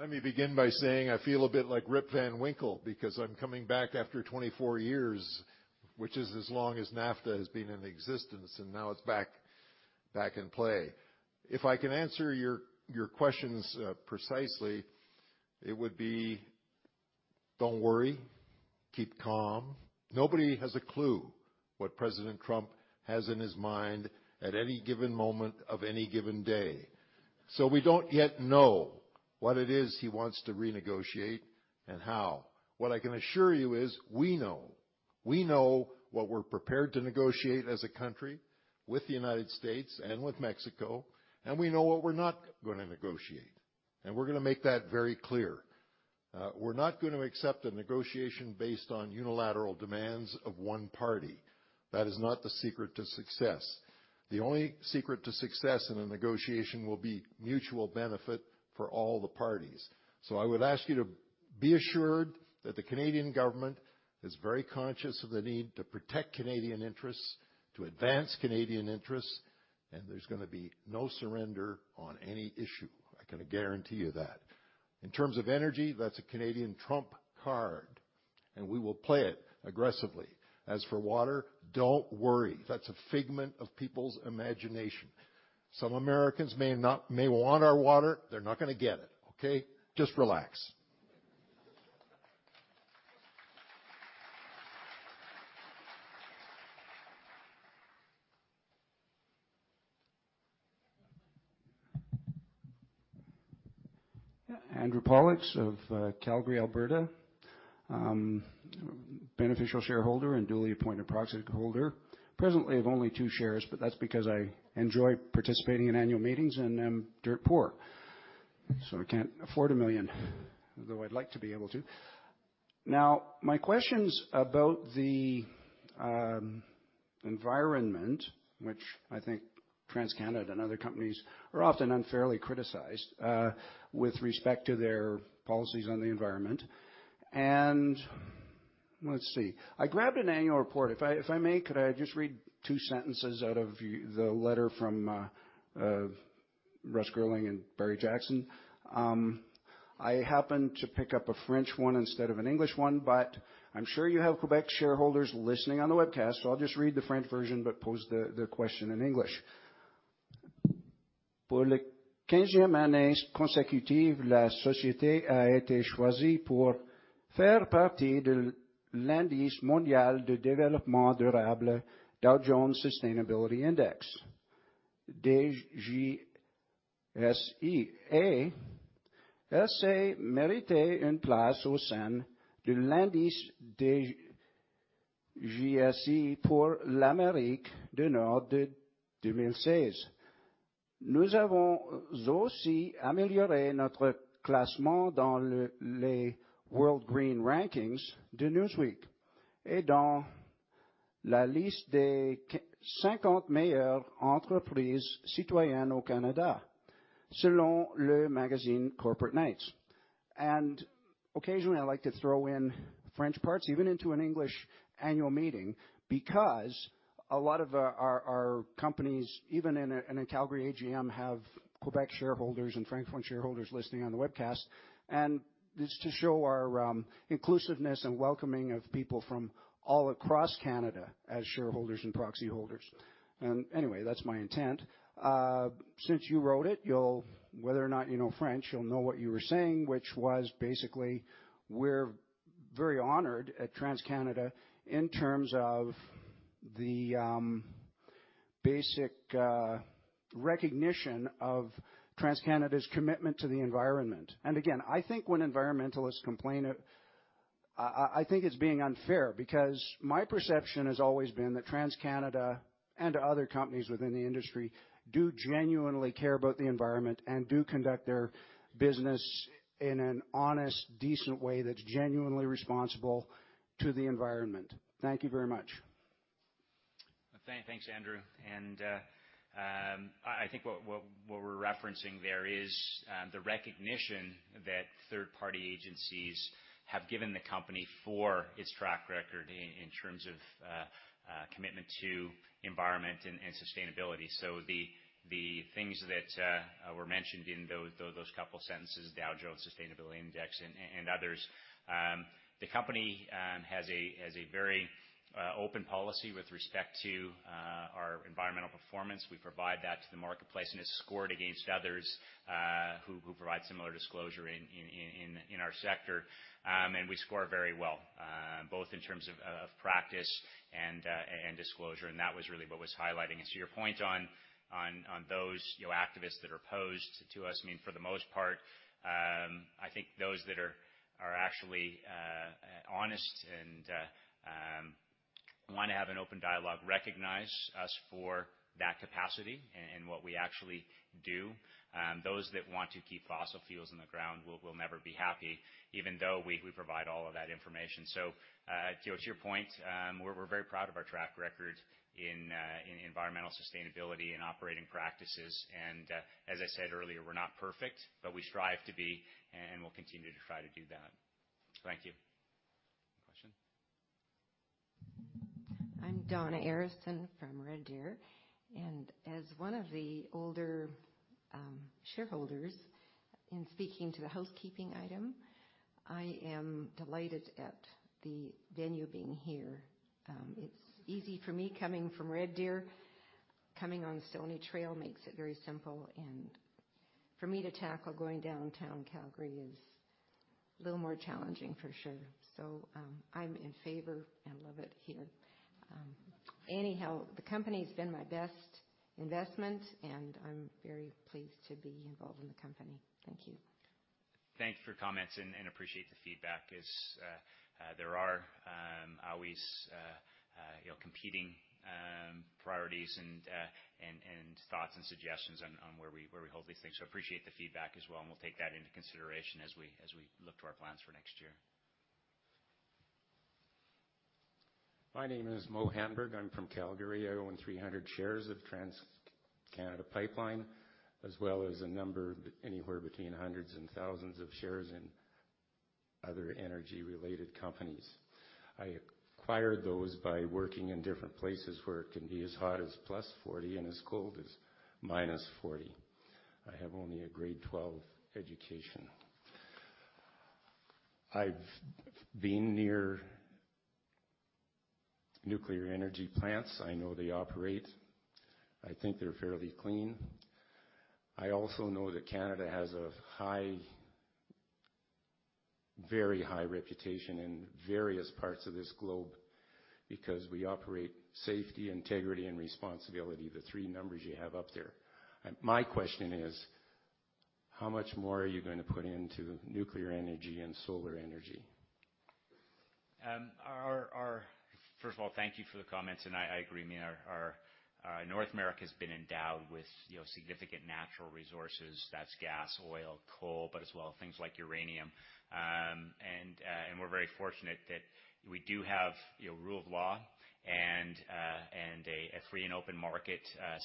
Let me begin by saying I feel a bit like Rip Van Winkle because I'm coming back after 24 years, which is as long as NAFTA has been in existence, and now it's back in play. If I can answer your questions precisely, it would be, don't worry. Keep calm. Nobody has a clue what President Trump has in his mind at any given moment of any given day. We don't yet know what it is he wants to renegotiate and how. What I can assure you is we know. We know what we're prepared to negotiate as a country with the United States and with Mexico, and we know what we're not going to negotiate. We're going to make that very clear. We're not going to accept a negotiation based on unilateral demands of one party. That is not the secret to success. The only secret to success in a negotiation will be mutual benefit for all the parties. I would ask you to be assured that the Canadian government is very conscious of the need to protect Canadian interests, to advance Canadian interests, and there's going to be no surrender on any issue. I can guarantee you that. In terms of energy, that's a Canadian trump card, and we will play it aggressively. As for water, don't worry. That's a figment of people's imagination. Some Americans may want our water. They're not going to get it, okay? Just relax. Andrew Pollack of Calgary, Alberta. Beneficial shareholder and duly appointed proxy holder. Presently have only two shares, but that's because I enjoy participating in annual meetings and I'm dirt poor, so I can't afford a million, though I'd like to be able to. Now, my question's about the environment, which I think TransCanada and other companies are often unfairly criticized with respect to their policies on the environment. Let's see. I grabbed an annual report. If I may, could I just read two sentences out of the letter from Russ Girling and Barry Jackson? I happened to pick up a French one instead of an English one, but I'm sure you have Quebec shareholders listening on the webcast, so I'll just read the French version, but pose the question in English. For the 15th consecutive year, the company has been chosen to be part of the Dow Jones Sustainability Index global index. The DJSI, and it has earned a place in the DJSI for North America 2016. We have also improved our ranking in the Newsweek Green Rankings and in the list of the 50 best corporate citizens in Canada, according to Corporate Knights magazine. Occasionally, I like to throw in French parts, even into an English annual meeting, because a lot of our companies, even in a Calgary AGM, have Quebec shareholders and francophone shareholders listening on the webcast. It's to show our inclusiveness and welcoming of people from all across Canada as shareholders and proxy holders. Anyway, that's my intent. Since you wrote it, whether or not you know French, you'll know what you were saying, which was basically, we're very honored at TransCanada in terms of the basic recognition of TransCanada's commitment to the environment. Again, I think when environmentalists complain, I think it's being unfair because my perception has always been that TransCanada and other companies within the industry do genuinely care about the environment and do conduct their business in an honest, decent way that's genuinely responsible to the environment. Thank you very much. Thanks, Andrew. I think what we're referencing there is the recognition that third-party agencies have given the company for its track record in terms of commitment to environment and sustainability. The things that were mentioned in those couple sentences, Dow Jones Sustainability Index and others. The company has a very open policy with respect to our environmental performance. We provide that to the marketplace and is scored against others who provide similar disclosure in our sector. We score very well, both in terms of practice and disclosure, and that was really what was highlighting. To your point on those activists that are opposed to us, for the most part, I think those that are actually honest and want to have an open dialogue recognize us for that capacity and what we actually do. Those that want to keep fossil fuels in the ground will never be happy, even though we provide all of that information. To your point, we're very proud of our track record in environmental sustainability and operating practices. As I said earlier, we're not perfect, but we strive to be, and we'll continue to try to do that. Thank you. Question? I'm Donna Arison from Red Deer. As one of the older shareholders, in speaking to the housekeeping item, I am delighted at the venue being here. It's easy for me coming from Red Deer, coming on Stoney Trail makes it very simple. For me to tackle going downtown Calgary is a little more challenging for sure. I'm in favor and love it here. Anyhow, the company's been my best investment, and I'm very pleased to be involved in the company. Thank you. Thank you for your comments and appreciate the feedback as there are always competing priorities and thoughts and suggestions on where we hold these things. Appreciate the feedback as well, and we'll take that into consideration as we look to our plans for next year. My name is Mo Hamburg. I'm from Calgary. I own 300 shares of TransCanada Pipeline, as well as a number anywhere between hundreds and thousands of shares in other energy-related companies. I acquired those by working in different places where it can be as hot as plus 40 and as cold as minus 40. I have only a grade 12 education. I've been near nuclear energy plants. I know they operate. I think they're fairly clean. I also know that Canada has a very high reputation in various parts of this globe because we operate safety, integrity, and responsibility, the three numbers you have up there. My question is, how much more are you going to put into nuclear energy and solar energy? First of all, thank you for the comments. I agree, North America has been endowed with significant natural resources, that's gas, oil, coal, but as well, things like uranium. We're very fortunate that we do have rule of law and a free and open market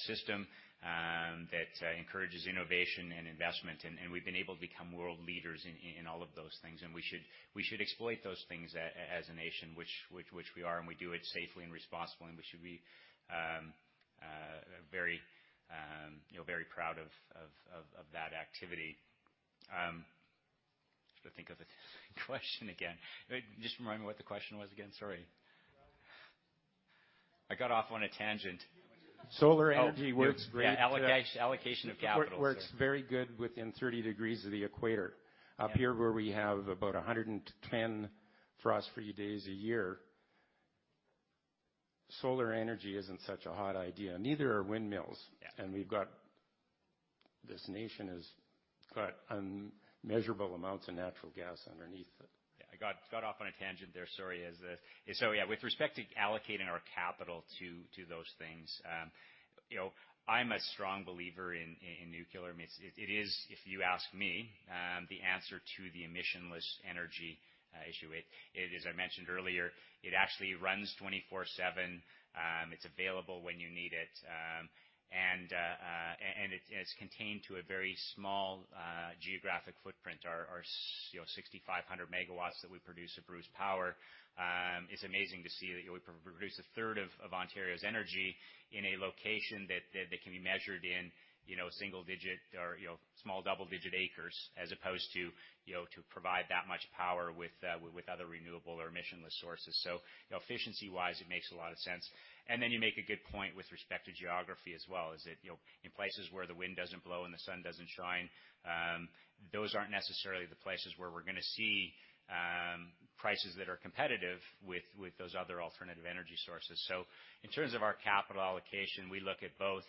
system that encourages innovation and investment. We've been able to become world leaders in all of those things. We should exploit those things as a nation, which we are, and we do it safely and responsibly, and we should be very proud of that activity. Just got to think of the question again. Just remind me what the question was again, sorry. I got off on a tangent. Solar energy works great. Yeah, allocation of capital works very good within 30 degrees of the equator. Yeah. Up here where we have about 110 frost-free days a year, solar energy isn't such a hot idea. Neither are windmills. Yeah. This nation has got immeasurable amounts of natural gas underneath it. I got off on a tangent there. Sorry. Yeah, with respect to allocating our capital to those things, I'm a strong believer in nuclear. It is, if you ask me, the answer to the emissionless energy issue. As I mentioned earlier, it actually runs 24/7. It's available when you need it. It's contained to a very small geographic footprint. Our 6,500 megawatts that we produce at Bruce Power, it's amazing to see that we produce a third of Ontario's energy in a location that can be measured in single digit or small double digit acres as opposed to provide that much power with other renewable or emissionless sources. Efficiency-wise, it makes a lot of sense. Then you make a good point with respect to geography as well, is that, in places where the wind doesn't blow and the sun doesn't shine, those aren't necessarily the places where we're going to see prices that are competitive with those other alternative energy sources. In terms of our capital allocation, we look at both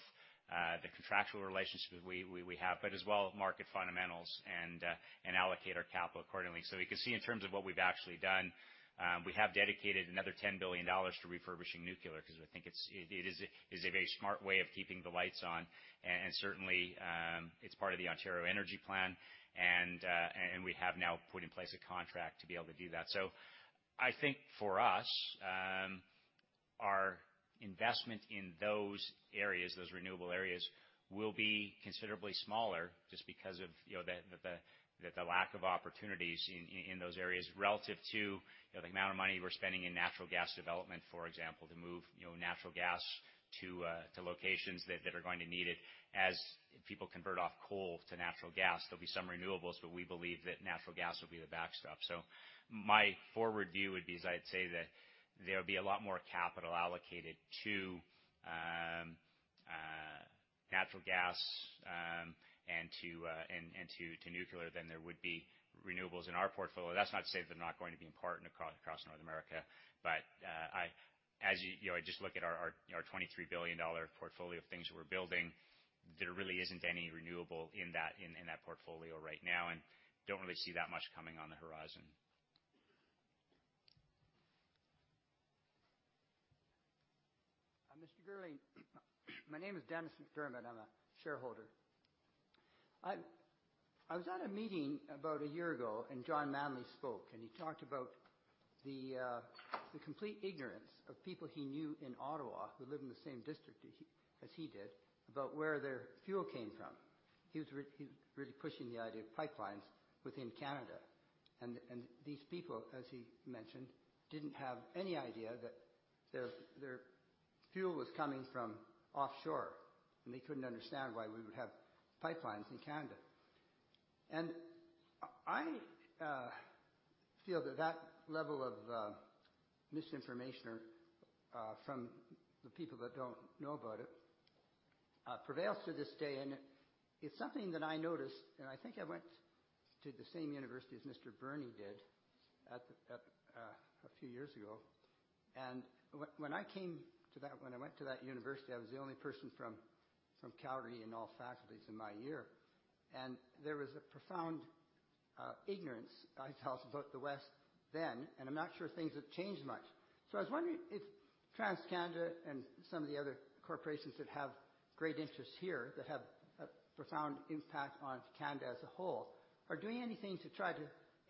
the contractual relationships we have, but as well market fundamentals, and allocate our capital accordingly. We can see in terms of what we've actually done, we have dedicated another 10 billion dollars to refurbishing nuclear because we think it is a very smart way of keeping the lights on. Certainly, it's part of the Ontario energy plan. We have now put in place a contract to be able to do that. I think for us, our investment in those areas, those renewable areas, will be considerably smaller just because of the lack of opportunities in those areas relative to the amount of money we're spending in natural gas development, for example, to move natural gas to locations that are going to need it. As people convert off coal to natural gas, there'll be some renewables, we believe that natural gas will be the backstop. My forward view would be is I'd say that there'll be a lot more capital allocated to natural gas and to nuclear than there would be renewables in our portfolio. That's not to say they're not going to be important across North America. As you just look at our 23 billion dollar portfolio of things that we're building, there really isn't any renewable in that portfolio right now, and don't really see that much coming on the horizon. Mr. Girling, my name is Dennis McDermott. I am a shareholder. I was at a meeting about one year ago, John Manley spoke, and he talked about the complete ignorance of people he knew in Ottawa who live in the same district as he did about where their fuel came from. He was really pushing the idea of pipelines within Canada. These people, as he mentioned, didn't have any idea that their fuel was coming from offshore, and they couldn't understand why we would have pipelines in Canada. I feel that that level of misinformation from the people that don't know about it prevails to this day, and it's something that I noticed, and I think I went to the same university as Mr. Burney did a few years ago. When I went to that university, I was the only person from Calgary in all faculties in my year. There was a profound ignorance, I felt, about the West then, and I am not sure things have changed much. I was wondering if TransCanada and some of the other corporations that have great interests here, that have a profound impact on Canada as a whole, are doing anything to try to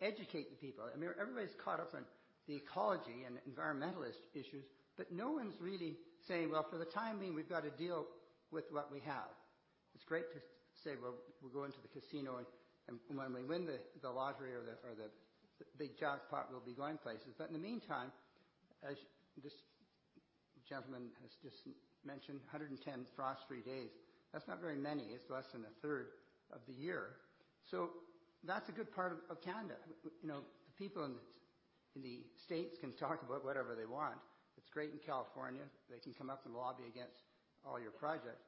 educate the people. Everybody's caught up on the ecology and environmentalist issues, but no one's really saying, "Well, for the time being, we've got to deal with what we have." It's great to say, well, we're going to the casino, and when we win the lottery or the big jackpot, we'll be going places. But in the meantime, as this gentleman has just mentioned, 110 frost-free days, that's not very many. It's less than a third of the year. That's a good part of Canada. The people in the States can talk about whatever they want. It's great in California. They can come up and lobby against all your projects.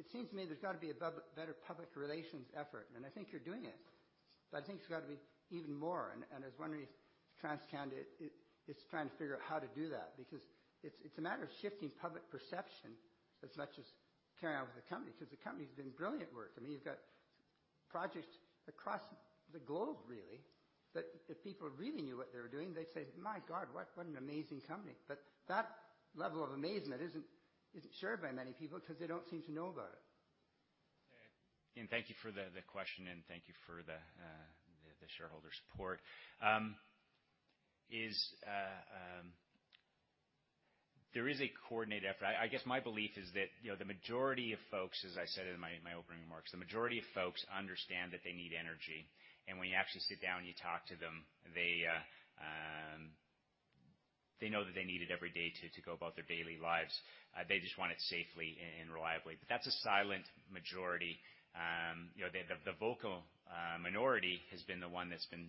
It seems to me there's got to be a better public relations effort, and I think you're doing it. I think there's got to be even more. I was wondering if TransCanada is trying to figure out how to do that because it's a matter of shifting public perception as much as carrying on with the company because the company's doing brilliant work. You've got projects across the globe, really, that if people really knew what they were doing, they'd say, "My God, what an amazing company." But that level of amazement isn't shared by many people because they don't seem to know about it. Thank you for the question, and thank you for the shareholder support. There is a coordinated effort. I guess my belief is that the majority of folks, as I said in my opening remarks, the majority of folks understand that they need energy. When you actually sit down and you talk to them, They know that they need it every day to go about their daily lives. They just want it safely and reliably. That's a silent majority. The vocal minority has been the one that's been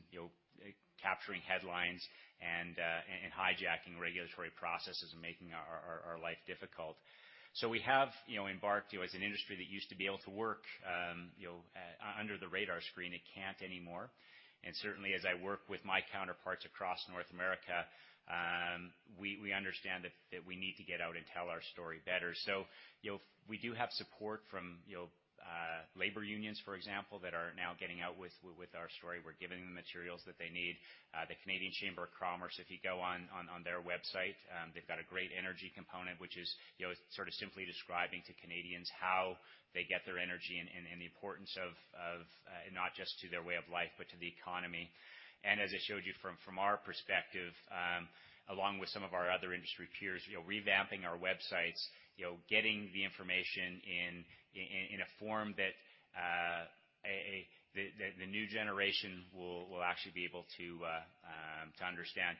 capturing headlines and hijacking regulatory processes and making our life difficult. We have embarked, as an industry that used to be able to work under the radar screen, it can't anymore. Certainly as I work with my counterparts across North America, we understand that we need to get out and tell our story better. We do have support from labor unions, for example, that are now getting out with our story. We're giving them materials that they need. The Canadian Chamber of Commerce, if you go on their website, they've got a great energy component, which is sort of simply describing to Canadians how they get their energy and the importance of not just to their way of life, but to the economy. As I showed you from our perspective, along with some of our other industry peers, revamping our websites, getting the information in a form that the new generation will actually be able to understand.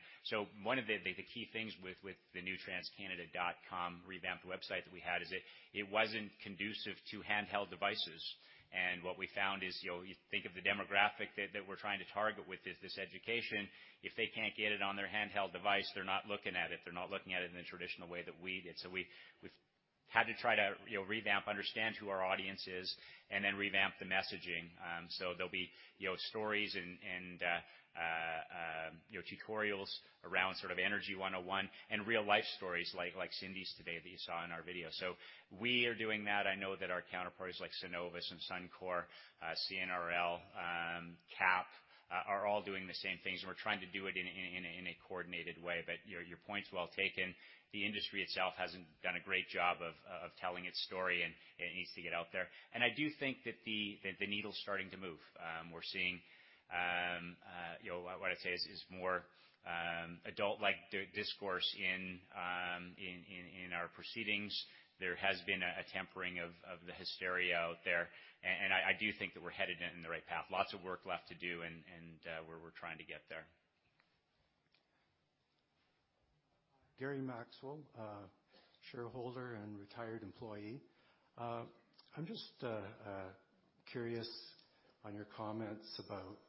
One of the key things with the new transcanada.com revamped website that we had is it wasn't conducive to handheld devices. What we found is, you think of the demographic that we're trying to target with this education, if they can't get it on their handheld device, they're not looking at it. They're not looking at it in the traditional way that we did. We've had to try to revamp, understand who our audience is, and then revamp the messaging. There'll be stories and tutorials around sort of energy 101 and real-life stories like Cindy's today that you saw in our video. We are doing that. I know that our counterparts like Cenovus and Suncor, CNRL, Cap, are all doing the same things, and we're trying to do it in a coordinated way. Your point's well taken. The industry itself hasn't done a great job of telling its story, and it needs to get out there. I do think that the needle's starting to move. We're seeing, what I'd say is more adult-like discourse in our proceedings. There has been a tempering of the hysteria out there. I do think that we're headed in the right path. Lots of work left to do, and we're trying to get there. Gary Maxwell, shareholder and retired employee. I'm just curious on your comments about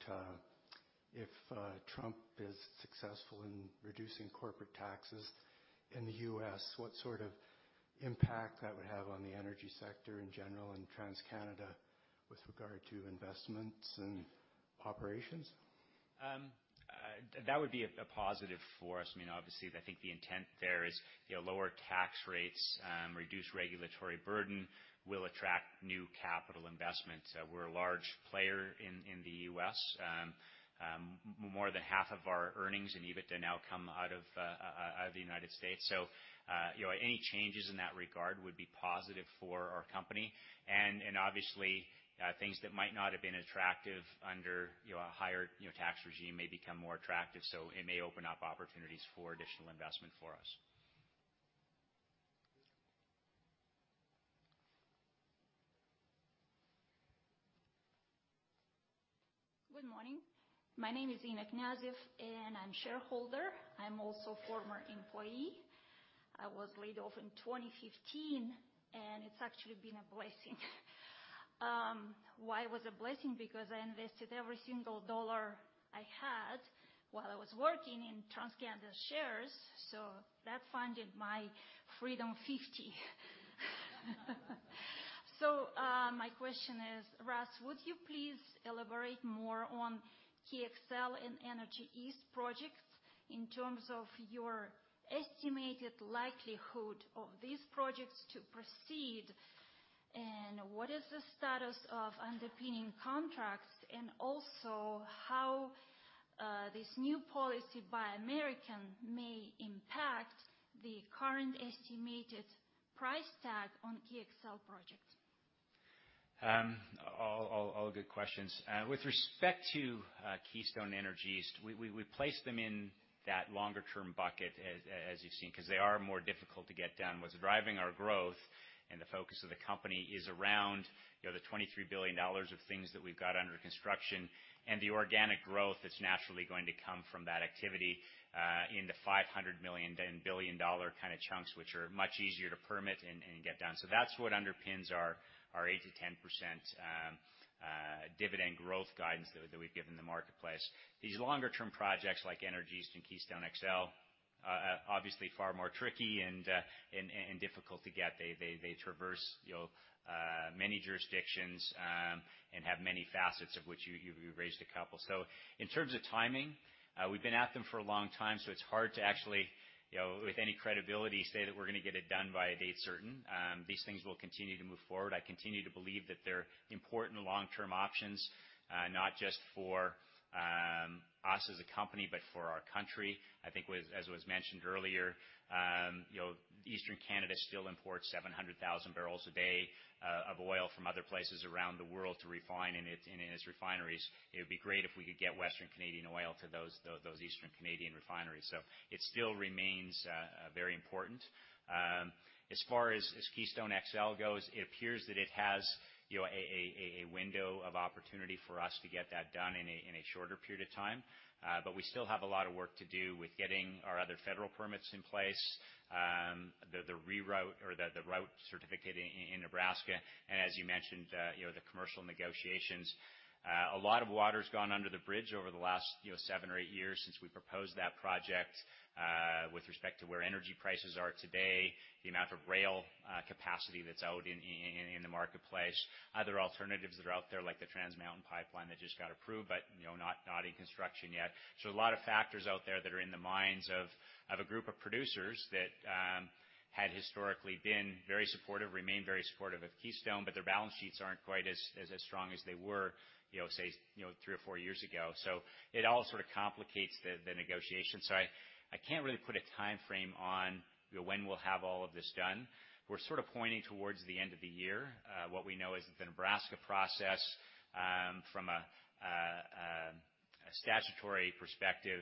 if Trump is successful in reducing corporate taxes in the U.S., what sort of impact that would have on the energy sector in general and TransCanada with regard to investments and operations. That would be a positive for us. Obviously, I think the intent there is lower tax rates, reduced regulatory burden will attract new capital investment. We're a large player in the U.S. More than half of our earnings and EBITDA now come out of the United States. Any changes in that regard would be positive for our company. Obviously, things that might not have been attractive under a higher tax regime may become more attractive. It may open up opportunities for additional investment for us. Thank you. Good morning. My name is Ina Gnazif, and I'm shareholder. I'm also former employee. I was laid off in 2015, and it's actually been a blessing. Why was a blessing? Because I invested every single CAD I had while I was working in TransCanada shares, that funded my Freedom 50. My question is, Russ, would you please elaborate more on Keystone XL and Energy East projects in terms of your estimated likelihood of these projects to proceed and what is the status of underpinning contracts, and also how this new policy by American may impact the current estimated price tag on Keystone XL project? All good questions. With respect to Keystone Energy East, we place them in that longer-term bucket as you've seen, because they are more difficult to get done. What's driving our growth and the focus of the company is around the 23 billion dollars of things that we've got under construction and the organic growth that's naturally going to come from that activity, in the 500 million and billion-dollar kind of chunks, which are much easier to permit and get done. That's what underpins our 8%-10% dividend growth guidance that we've given the marketplace. These longer-term projects like Energy East and Keystone XL, obviously far more tricky and difficult to get. They traverse many jurisdictions, and have many facets of which you've raised a couple. In terms of timing, we've been at them for a long time, so it's hard to actually, with any credibility, say that we're going to get it done by a date certain. These things will continue to move forward. I continue to believe that they're important long-term options, not just for us as a company, but for our country. I think as was mentioned earlier, Eastern Canada still imports 700,000 barrels a day of oil from other places around the world to refine in its refineries. It would be great if we could get Western Canadian oil to those Eastern Canadian refineries. It still remains very important. As far as Keystone XL goes, it appears that it has a window of opportunity for us to get that done in a shorter period of time. We still have a lot of work to do with getting our other federal permits in place, the route certificate in Nebraska, and as you mentioned, the commercial negotiations. A lot of water's gone under the bridge over the last seven or eight years since we proposed that project, with respect to where energy prices are today, the amount of rail capacity that's out in the marketplace, other alternatives that are out there, like the Trans Mountain pipeline that just got approved, but not in construction yet. A lot of factors out there that are in the minds of a group of producers that had historically been very supportive, remain very supportive of Keystone, but their balance sheets aren't quite as strong as they were, say, three or four years ago. It all sort of complicates the negotiation. I can't really put a timeframe on when we'll have all of this done. We're sort of pointing towards the end of the year. What we know is that the Nebraska process, from a statutory perspective,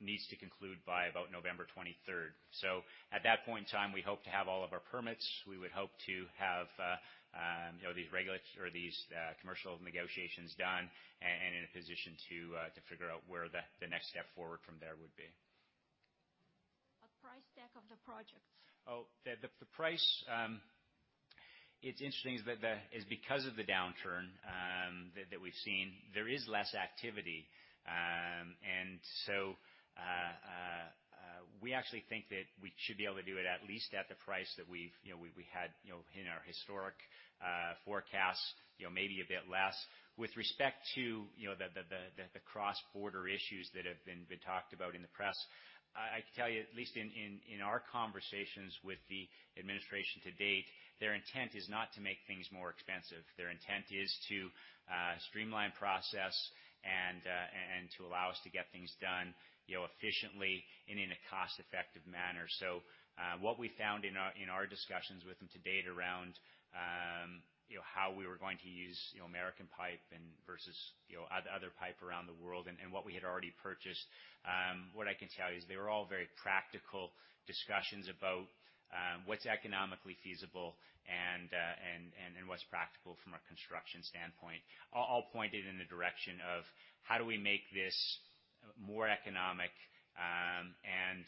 needs to conclude by about November 23rd. At that point in time, we hope to have all of our permits. We would hope to have these commercial negotiations done and in a position to figure out where the next step forward from there would be. A price tag of the project. It is interesting because of the downturn that we've seen, there is less activity. We actually think that we should be able to do it at least at the price that we had in our historic forecasts, maybe a bit less. With respect to the cross-border issues that have been talked about in the press, I can tell you, at least in our conversations with the administration to date, their intent is not to make things more expensive. Their intent is to streamline process and to allow us to get things done efficiently and in a cost-effective manner. What we found in our discussions with them to date around how we were going to use American pipe versus other pipe around the world, and what we had already purchased, what I can tell you is they were all very practical discussions about what is economically feasible and what is practical from a construction standpoint, all pointed in the direction of how do we make this more economic and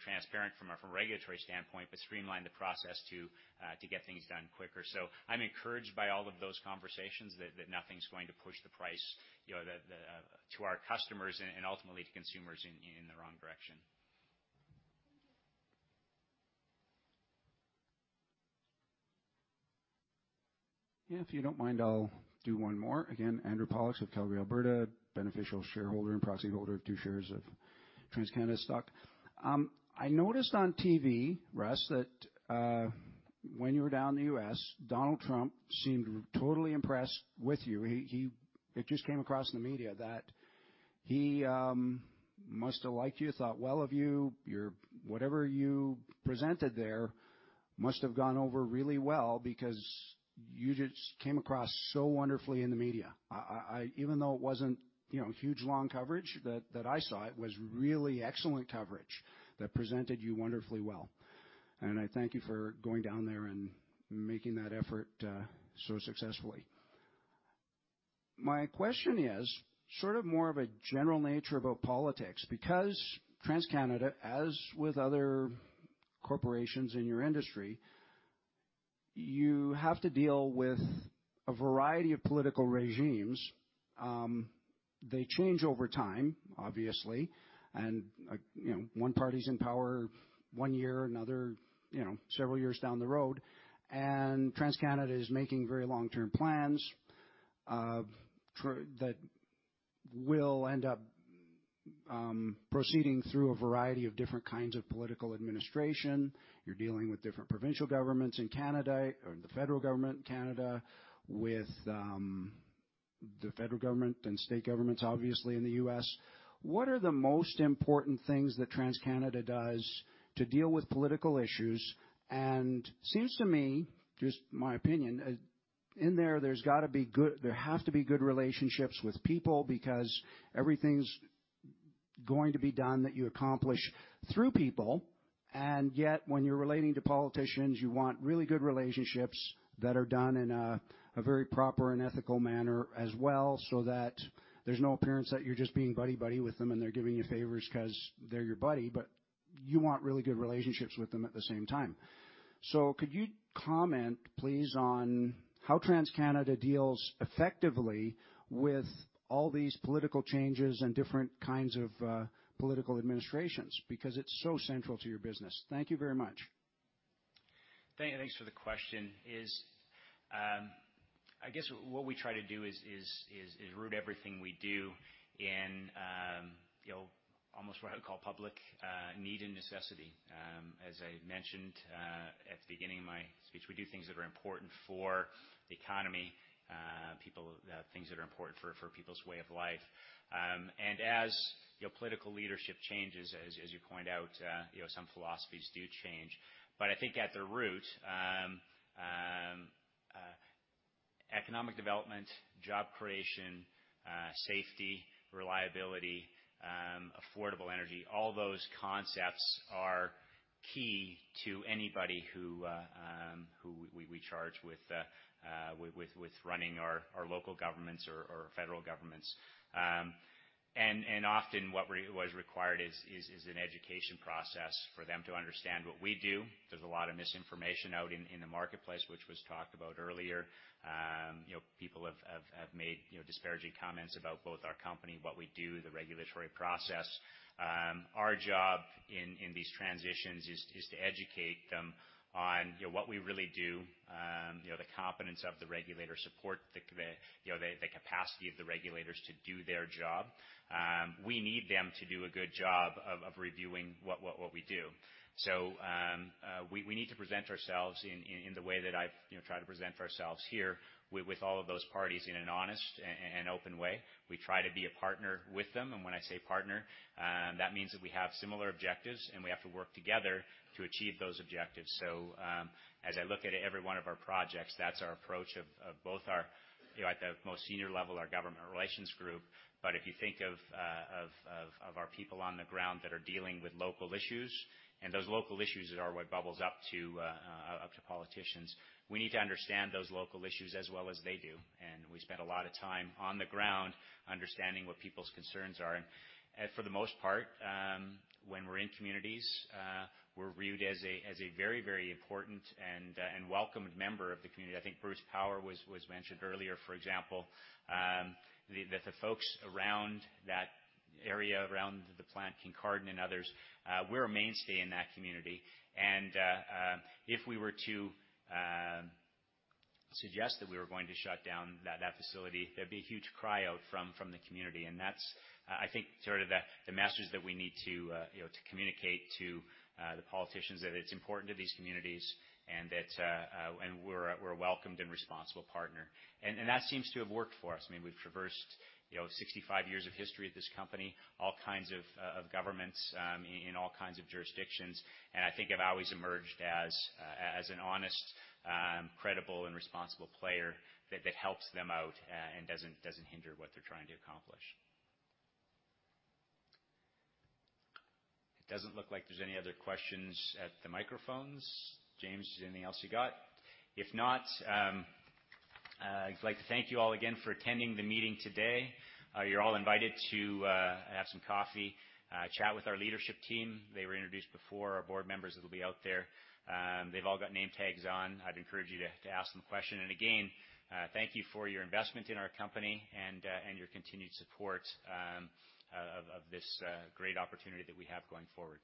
transparent from a regulatory standpoint, but streamline the process to get things done quicker. I am encouraged by all of those conversations that nothing is going to push the price to our customers and ultimately to consumers in the wrong direction. Thank you. If you don't mind, I'll do one more. Again, Andrew Pollack of Calgary, Alberta, beneficial shareholder and proxy holder of two shares of TransCanada stock. I noticed on TV, Russ, that when you were down in the U.S., Donald Trump seemed totally impressed with you. It just came across in the media that he must have liked you, thought well of you. Whatever you presented there must have gone over really well, because you just came across so wonderfully in the media. Even though it was not huge, long coverage that I saw, it was really excellent coverage that presented you wonderfully well. I thank you for going down there and making that effort so successfully. My question is sort of more of a general nature about politics. TransCanada, as with other corporations in your industry, you have to deal with a variety of political regimes. They change over time, obviously, one party's in power one year, another several years down the road. TransCanada is making very long-term plans that will end up proceeding through a variety of different kinds of political administration. You're dealing with different provincial governments in Canada or the federal government in Canada, with the federal government and state governments, obviously, in the U.S. What are the most important things that TransCanada does to deal with political issues? Seems to me, just my opinion, in there has to be good relationships with people, because everything's going to be done that you accomplish through people. Yet, when you're relating to politicians, you want really good relationships that are done in a very proper and ethical manner as well, so that there's no appearance that you're just being buddy-buddy with them and they're giving you favors because they're your buddy. You want really good relationships with them at the same time. Could you comment, please, on how TransCanada deals effectively with all these political changes and different kinds of political administrations? Because it's so central to your business. Thank you very much. Thanks for the question. I guess what we try to do is root everything we do in almost what I would call public need and necessity. As I mentioned at the beginning of my speech, we do things that are important for the economy, things that are important for people's way of life. As political leadership changes, as you point out, some philosophies do change. I think at the root, Economic development, job creation, safety, reliability, affordable energy, all those concepts are key to anybody who we charge with running our local governments or federal governments. Often what was required is an education process for them to understand what we do. There's a lot of misinformation out in the marketplace, which was talked about earlier. People have made disparaging comments about both our company, what we do, the regulatory process. Our job in these transitions is to educate them on what we really do, the competence of the regulator support, the capacity of the regulators to do their job. We need them to do a good job of reviewing what we do. We need to present ourselves in the way that I've tried to present ourselves here with all of those parties in an honest and open way. We try to be a partner with them. When I say partner, that means that we have similar objectives, and we have to work together to achieve those objectives. As I look at every one of our projects, that's our approach of both our, at the most senior level, our government relations group. If you think of our people on the ground that are dealing with local issues, those local issues are what bubbles up to politicians, we need to understand those local issues as well as they do. We spend a lot of time on the ground understanding what people's concerns are. For the most part, when we're in communities, we're viewed as a very important and welcomed member of the community. I think Bruce Power was mentioned earlier, for example. The folks around that area, around the plant, Kincardine and others, we're a mainstay in that community. If we were to suggest that we were going to shut down that facility, there'd be a huge cry out from the community. That's, I think, sort of the message that we need to communicate to the politicians, that it's important to these communities and we're a welcomed and responsible partner. That seems to have worked for us. We've traversed 65 years of history at this company, all kinds of governments in all kinds of jurisdictions, I think have always emerged as an honest, credible, and responsible player that helps them out and doesn't hinder what they're trying to accomplish. It doesn't look like there's any other questions at the microphones. James, is there anything else you got? If not, I'd like to thank you all again for attending the meeting today. You're all invited to have some coffee, chat with our leadership team. They were introduced before. Our board members that'll be out there. They've all got name tags on. I'd encourage you to ask them a question. Again, thank you for your investment in our company and your continued support of this great opportunity that we have going forward.